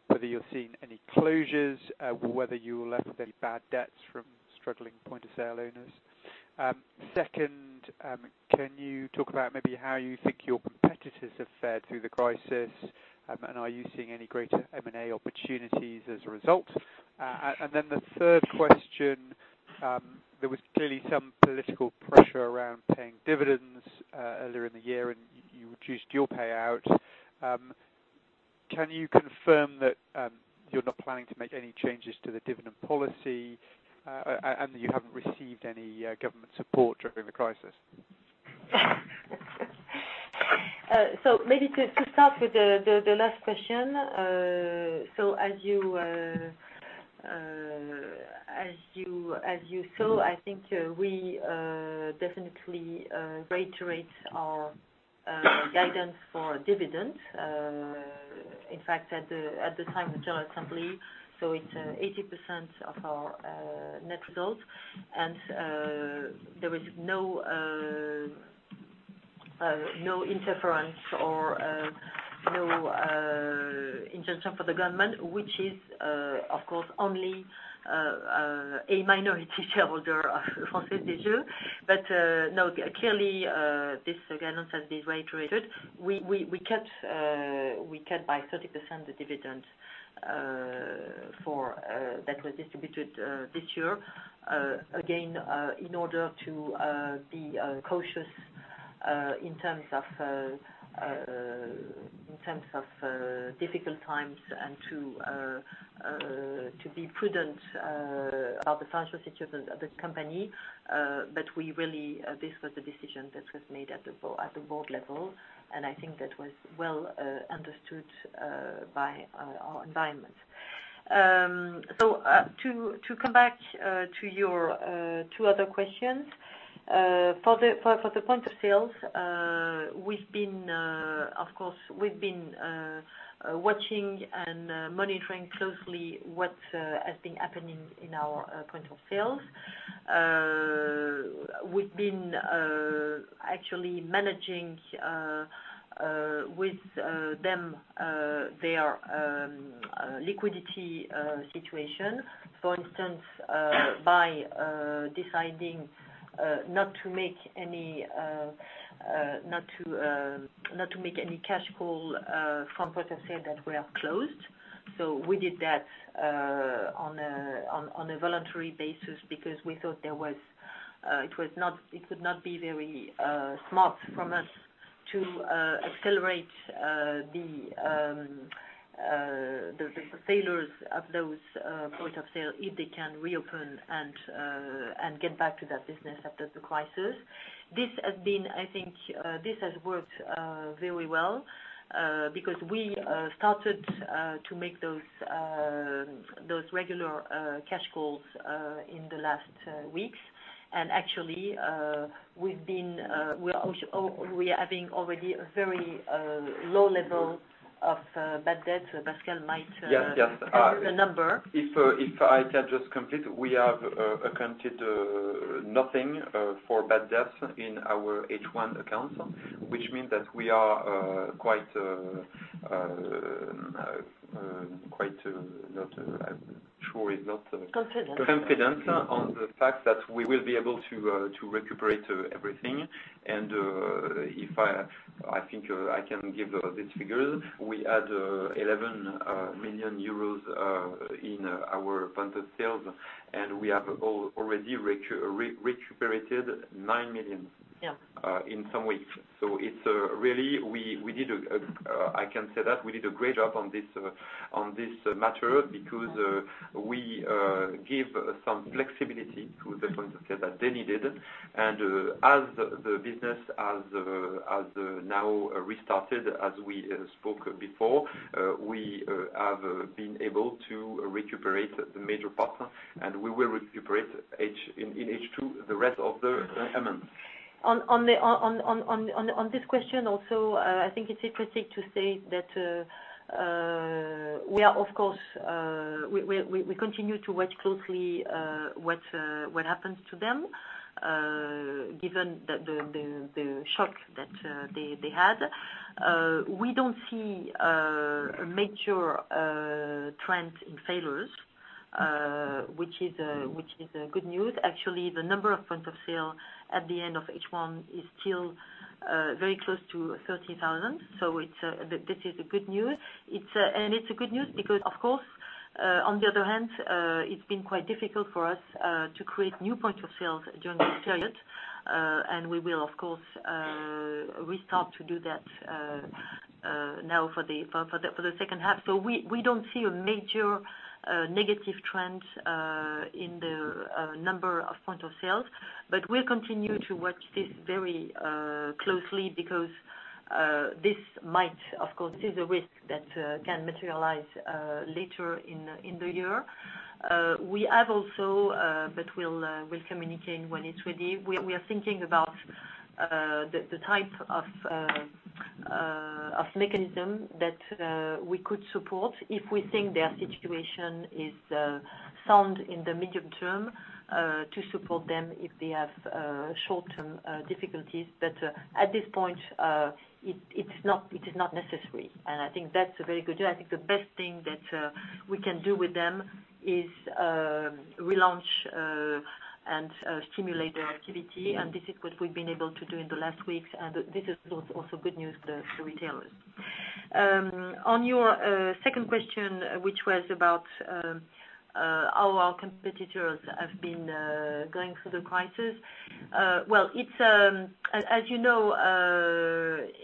whether you've seen any closures, whether you were left with any bad debts from struggling point of sale owners? Second, can you talk about maybe how you think your competitors have fared through the crisis? Are you seeing any greater M&A opportunities as a result? The third question, there was clearly some political pressure around paying dividends earlier in the year, and you reduced your payout. Can you confirm that you're not planning to make any changes to the dividend policy, and that you haven't received any government support during the crisis? Maybe to start with the last question, as you saw, I think we definitely reiterate our guidance for dividends. In fact, at the time of the General Assembly, it's 80% of our net result. There is no interference or no injunction for the government, which is, of course, only a minority shareholder of Française des Jeux. Clearly, this guidance has been reiterated. We kept by 30% the dividends that were distributed this year, again, in order to be cautious in terms of difficult times and to be prudent about the financial situation of the company. This was a decision that was made at the board level. I think that was well understood by our environment. To come back to your two other questions, for the point of sales, we've been, of course, we've been watching and monitoring closely what has been happening in our point of sales. We've been actually managing with them their liquidity situation, for instance, by deciding not to make any, not to, not to make any cash call from point of sale that were closed. We did that on a voluntary basis because we thought it was not, it would not be very smart from us to accelerate the failures of those point of sale if they can reopen and get back to that business after the crisis. This has been, I think, this has worked very well, because we started to make those regular cash calls in the last weeks. Actually, we've been, we're, we are having already a very low level of bad debts. Pascal might, Yes, yes. a number. If I can just complete, we have accounted nothing for bad debts in our H1 accounts, which means that we are quite, quite, not, I'm sure it's not, Confident. Confident on the fact that we will be able to recuperate everything. If I think, I can give these figures. We had 11 million euros in our point of sales, and we have already recuperated 9 million. Yeah. In some weeks, we did a, I can say that we did a great job on this matter because we gave some flexibility to the point of sale that they needed. As the business has now restarted, as we spoke before, we have been able to recuperate the major part, and we will recuperate in H2 the rest of the amount. On this question also, I think it's interesting to say that we are, of course, we continue to watch closely what happens to them, given that the shock that they had. We don't see a major trend in failures, which is good news. Actually, the number of point of sale at the end of H1 is still very close to 30,000. This is good news. It's a good news because, of course, on the other hand, it's been quite difficult for us to create new point of sales during this period. We will, of course, restart to do that now for the second half. We don't see a major negative trend in the number of point of sales. We'll continue to watch this very closely because this might, of course, this is a risk that can materialize later in the year. We have also, but we'll communicate when it's ready. We are thinking about the type of mechanism that we could support if we think their situation is sound in the medium term, to support them if they have short-term difficulties. At this point, it is not necessary. I think that's a very good deal. I think the best thing that we can do with them is relaunch and stimulate their activity. This is what we've been able to do in the last weeks. This is also good news for the retailers. On your second question, which was about how our competitors have been going through the crisis, as you know,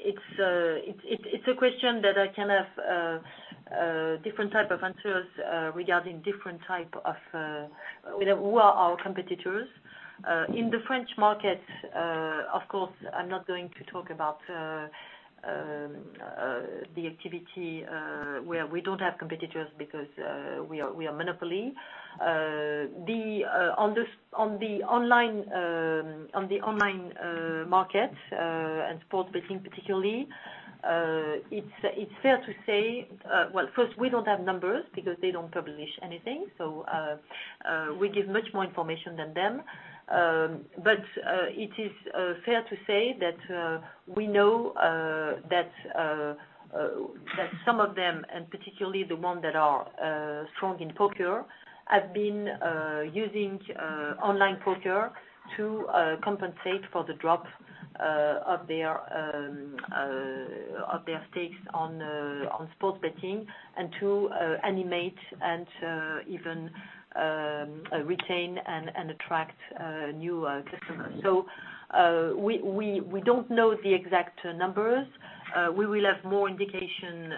it's a question that can have different types of answers regarding different types of, you know, who are our competitors. In the French market, of course, I'm not going to talk about the activity where we don't have competitors because we are a monopoly. On the online market, and sports betting particularly, it's fair to say, first, we don't have numbers because they don't publish anything. We give much more information than them. It is fair to say that we know that some of them, and particularly the ones that are strong in poker, have been using online poker to compensate for the drop of their stakes on sports betting and to animate and even retain and attract new customers. We do not know the exact numbers. We will have more indication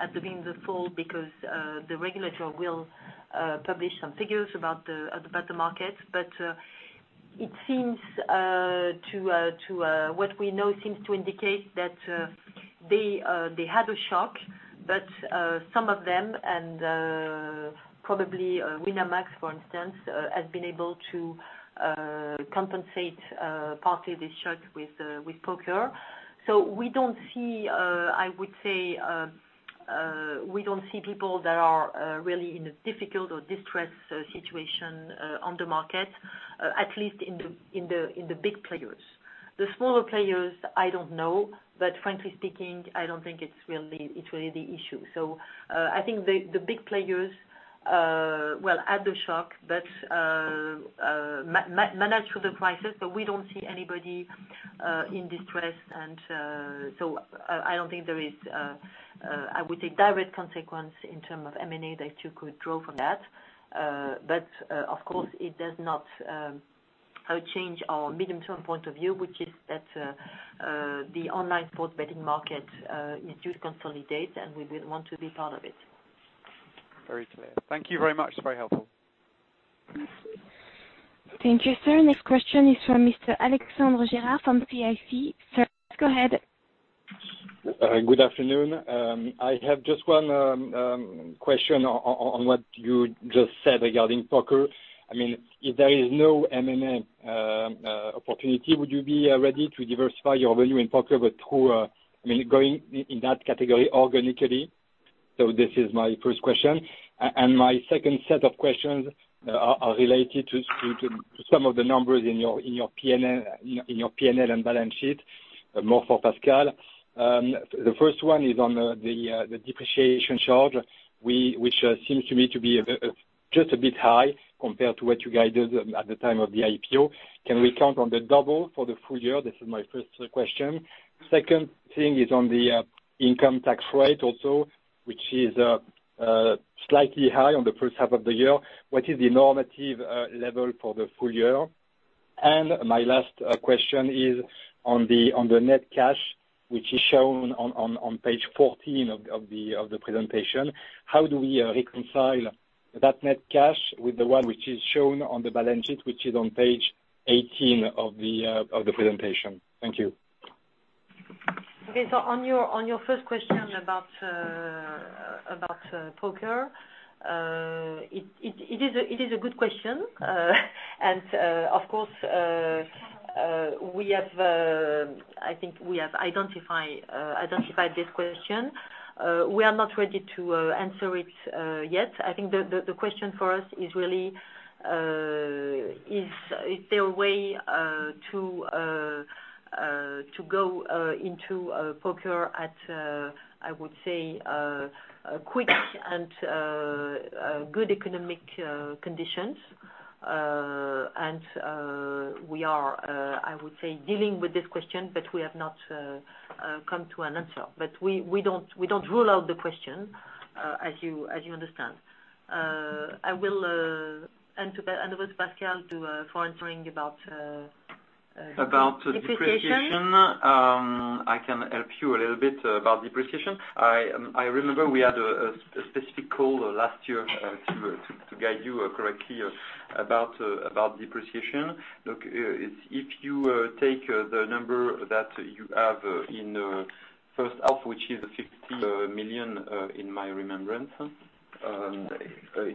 at the beginning of the fall because the regulator will publish some figures about the market. What we know seems to indicate that they had a shock, but some of them, and probably Winamax, for instance, has been able to compensate partly this shock with poker. We don't see, I would say, we don't see people that are really in a difficult or distressed situation on the market, at least in the big players. The smaller players, I don't know, but frankly speaking, I don't think it's really the issue. I think the big players had the shock, but managed through the crisis. We don't see anybody in distress. I don't think there is, I would say, direct consequence in terms of M&A that you could draw from that. Of course, it does not change our medium-term point of view, which is that the online sports betting market is due to consolidate, and we would want to be part of it. Very clear. Thank you very much. It's very helpful. Thank you, sir. Next question is from Mr.Alexandre Gerard from CIC. Sir, go ahead. Good afternoon. I have just one question on what you just said regarding poker. I mean, if there is no M&A opportunity, would you be ready to diversify your revenue in poker, but through, I mean, going in that category organically? This is my first question. My second set of questions are related to some of the numbers in your P&L and your P&L and balance sheet, more for Pascal. The first one is on the depreciation charge, which seems to me to be just a bit high compared to what you guided at the time of the IPO. Can we count on the double for the full year? This is my first question. Second thing is on the income tax rate also, which is slightly high on the first half of the year. What is the normative level for the full year? My last question is on the net cash, which is shown on page 14 of the presentation. How do we reconcile that net cash with the one which is shown on the balance sheet, which is on page 18 of the presentation? Thank you. Okay. On your first question about poker, it is a good question. Of course, we have, I think we have identified this question. We are not ready to answer it yet. I think the question for us is really, is there a way to go into poker at, I would say, quick and good economic conditions? We are, I would say, dealing with this question, but we have not come to an answer. We do not rule out the question, as you understand. I will end with Pascal for answering about, About the depreciation. Depreciation. I can help you a little bit about depreciation. I remember we had a specific call last year to guide you correctly about depreciation. Look, if you take the number that you have in first half, which is 50 million in my remembrance,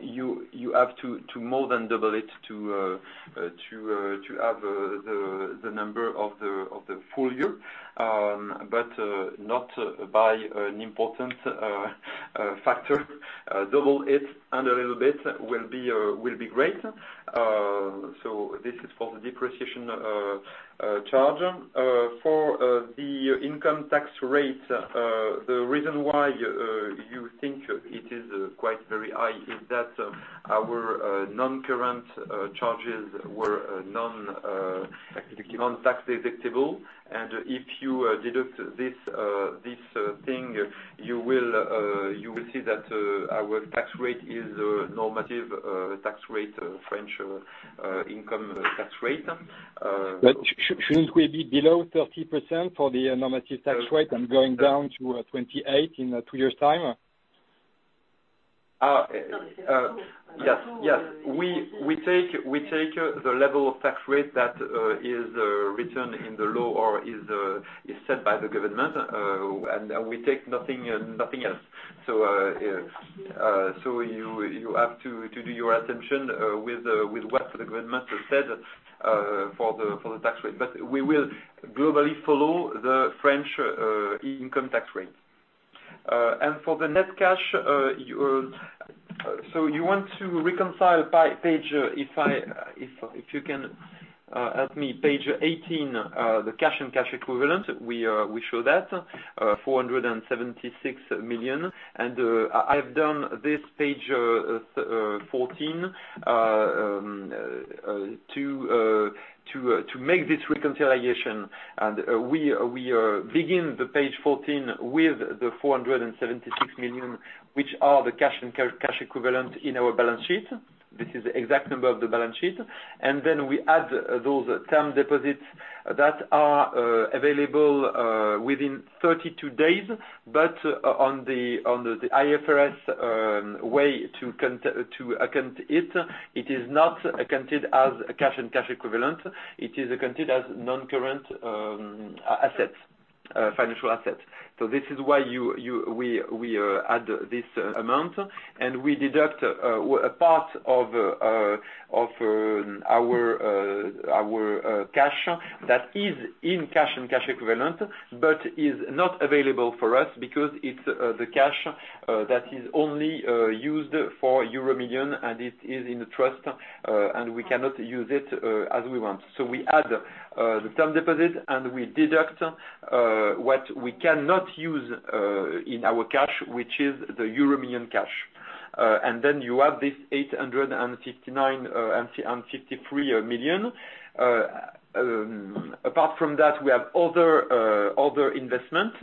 you have to more than double it to have the number of the full year, but not by an important factor. Double it and a little bit will be great. This is for the depreciation charge. For the income tax rate, the reason why you think it is quite very high is that our non-current charges were non-tax deductible. If you deduct this thing, you will see that our tax rate is a normative tax rate, French income tax rate. Should it be below 30% for the normative tax rate and going down to 28% in two years' time? Yes, yes. We take the level of tax rate that is written in the law or is set by the government, and we take nothing else. You have to do your attention with what the government said for the tax rate. We will globally follow the French income tax rate. For the net cash, you want to reconcile by page, if you can help me, page 18, the cash and cash equivalent, we show that, 476 million. I have done this page 14 to make this reconciliation. We begin the page 14 with the 476 million, which are the cash and cash equivalent in our balance sheet. This is the exact number of the balance sheet. Then we add those term deposits that are available within 32 days. On the IFRS way to account it, it is not accounted as cash and cash equivalent. It is accounted as non-current assets, financial assets. This is why you add this amount. We deduct a part of our cash that is in cash and cash equivalent but is not available for us because it is the cash that is only used for EuroMillions, and it is in the trust, and we cannot use it as we want. We add the term deposit, and we deduct what we cannot use in our cash, which is the EuroMillions cash. Then you have this 859 million and 53 million. Apart from that, we have other investments,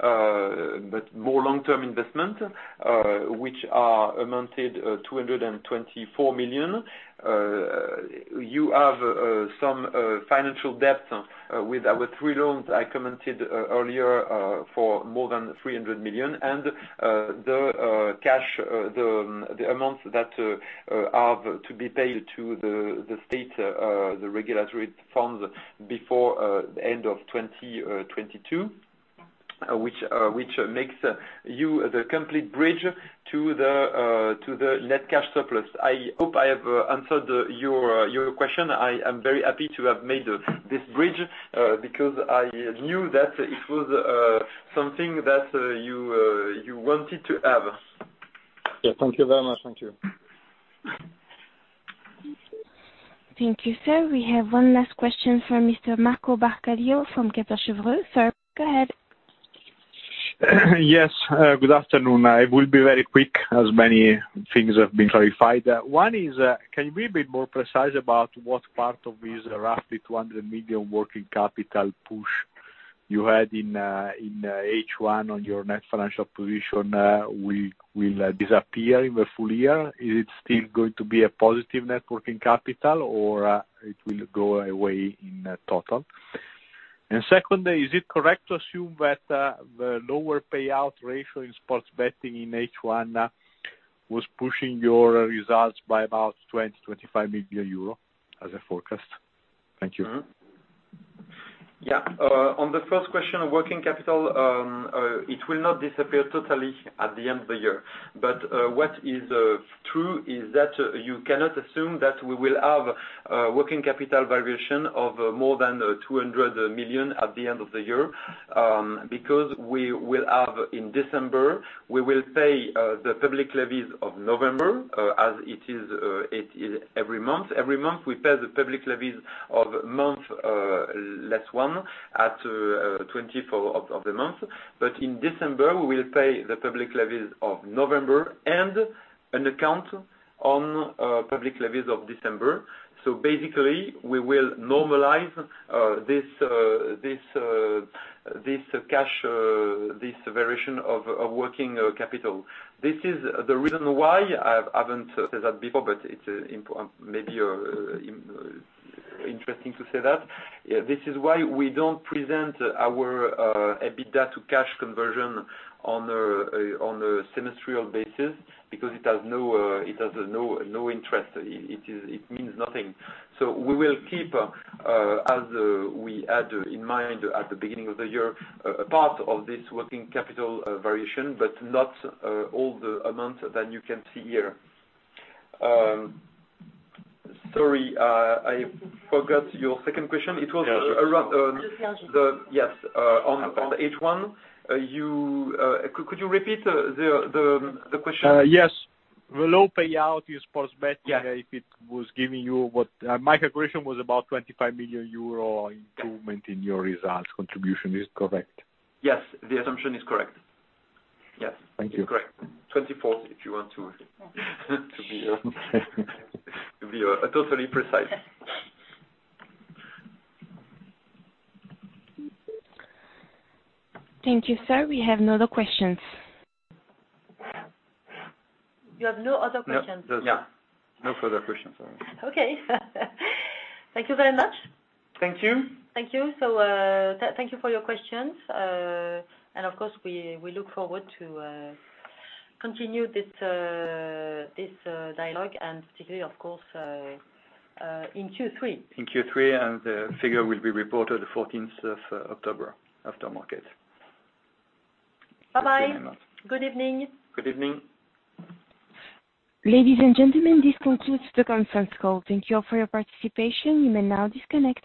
but more long-term investments, which are amounted to 224 million. You have some financial debt with our three loans I commented earlier for more than 300 million. The cash, the amounts that have to be paid to the state, the regulatory funds before the end of 2022, which makes you the complete bridge to the net cash surplus. I hope I have answered your question. I am very happy to have made this bridge, because I knew that it was something that you wanted to have. Yeah. Thank you very much. Thank you. Thank you, sir. We have one last question for Mr. Marco Baccaglio from Kepler Cheuvreux. Sir, go ahead. Yes. Good afternoon. I will be very quick as many things have been clarified. One is, can you be a bit more precise about what part of this roughly 200 million working capital push you had in, in, H1 on your net financial position, will, will disappear in the full year? Is it still going to be a positive net working capital, or, it will go away in total? Secondly, is it correct to assume that the lower payout ratio in sports betting in H1 was pushing your results by about 20-25 million euro as a forecast? Thank you. Mm-hmm. Yeah. On the first question of working capital, it will not disappear totally at the end of the year. What is true is that you cannot assume that we will have working capital valuation of more than 200 million at the end of the year, because we will have in December, we will pay the public levies of November, as it is, it is every month. Every month, we pay the public levies of month, less one at 24 of the month. In December, we will pay the public levies of November and an account on public levies of December. Basically, we will normalize this, this, this cash, this variation of working capital. This is the reason why I haven't said that before, but it's maybe interesting to say that. This is why we do not present our EBITDA to cash conversion on a semestrial basis because it has no interest. It means nothing. We will keep, as we had in mind at the beginning of the year, a part of this working capital variation, but not all the amounts that you can see here. Sorry, I forgot your second question. It was around, No, no. Just the H1. Yes. On H1, could you repeat the question? Yes. The low payout in sports betting. Yeah. If it was giving you what, my calculation was about 25 million euro improvement in your results contribution. Is it correct? Yes. The assumption is correct. Yes. Thank you. It's correct. Twenty-fourth if you want to, to be totally precise. Thank you, sir. We have no other questions. You have no other questions? No, no. Yeah. No further questions. All right. Okay. Thank you very much. Thank you. Thank you. Thank you for your questions. And of course, we look forward to continue this dialogue and particularly, of course, in Q3. In Q3, and the figure will be reported the 14th of October after market. Bye-bye. Thank you very much. Good evening. Good evening. Ladies and gentlemen, this concludes the conference call. Thank you all for your participation. You may now disconnect.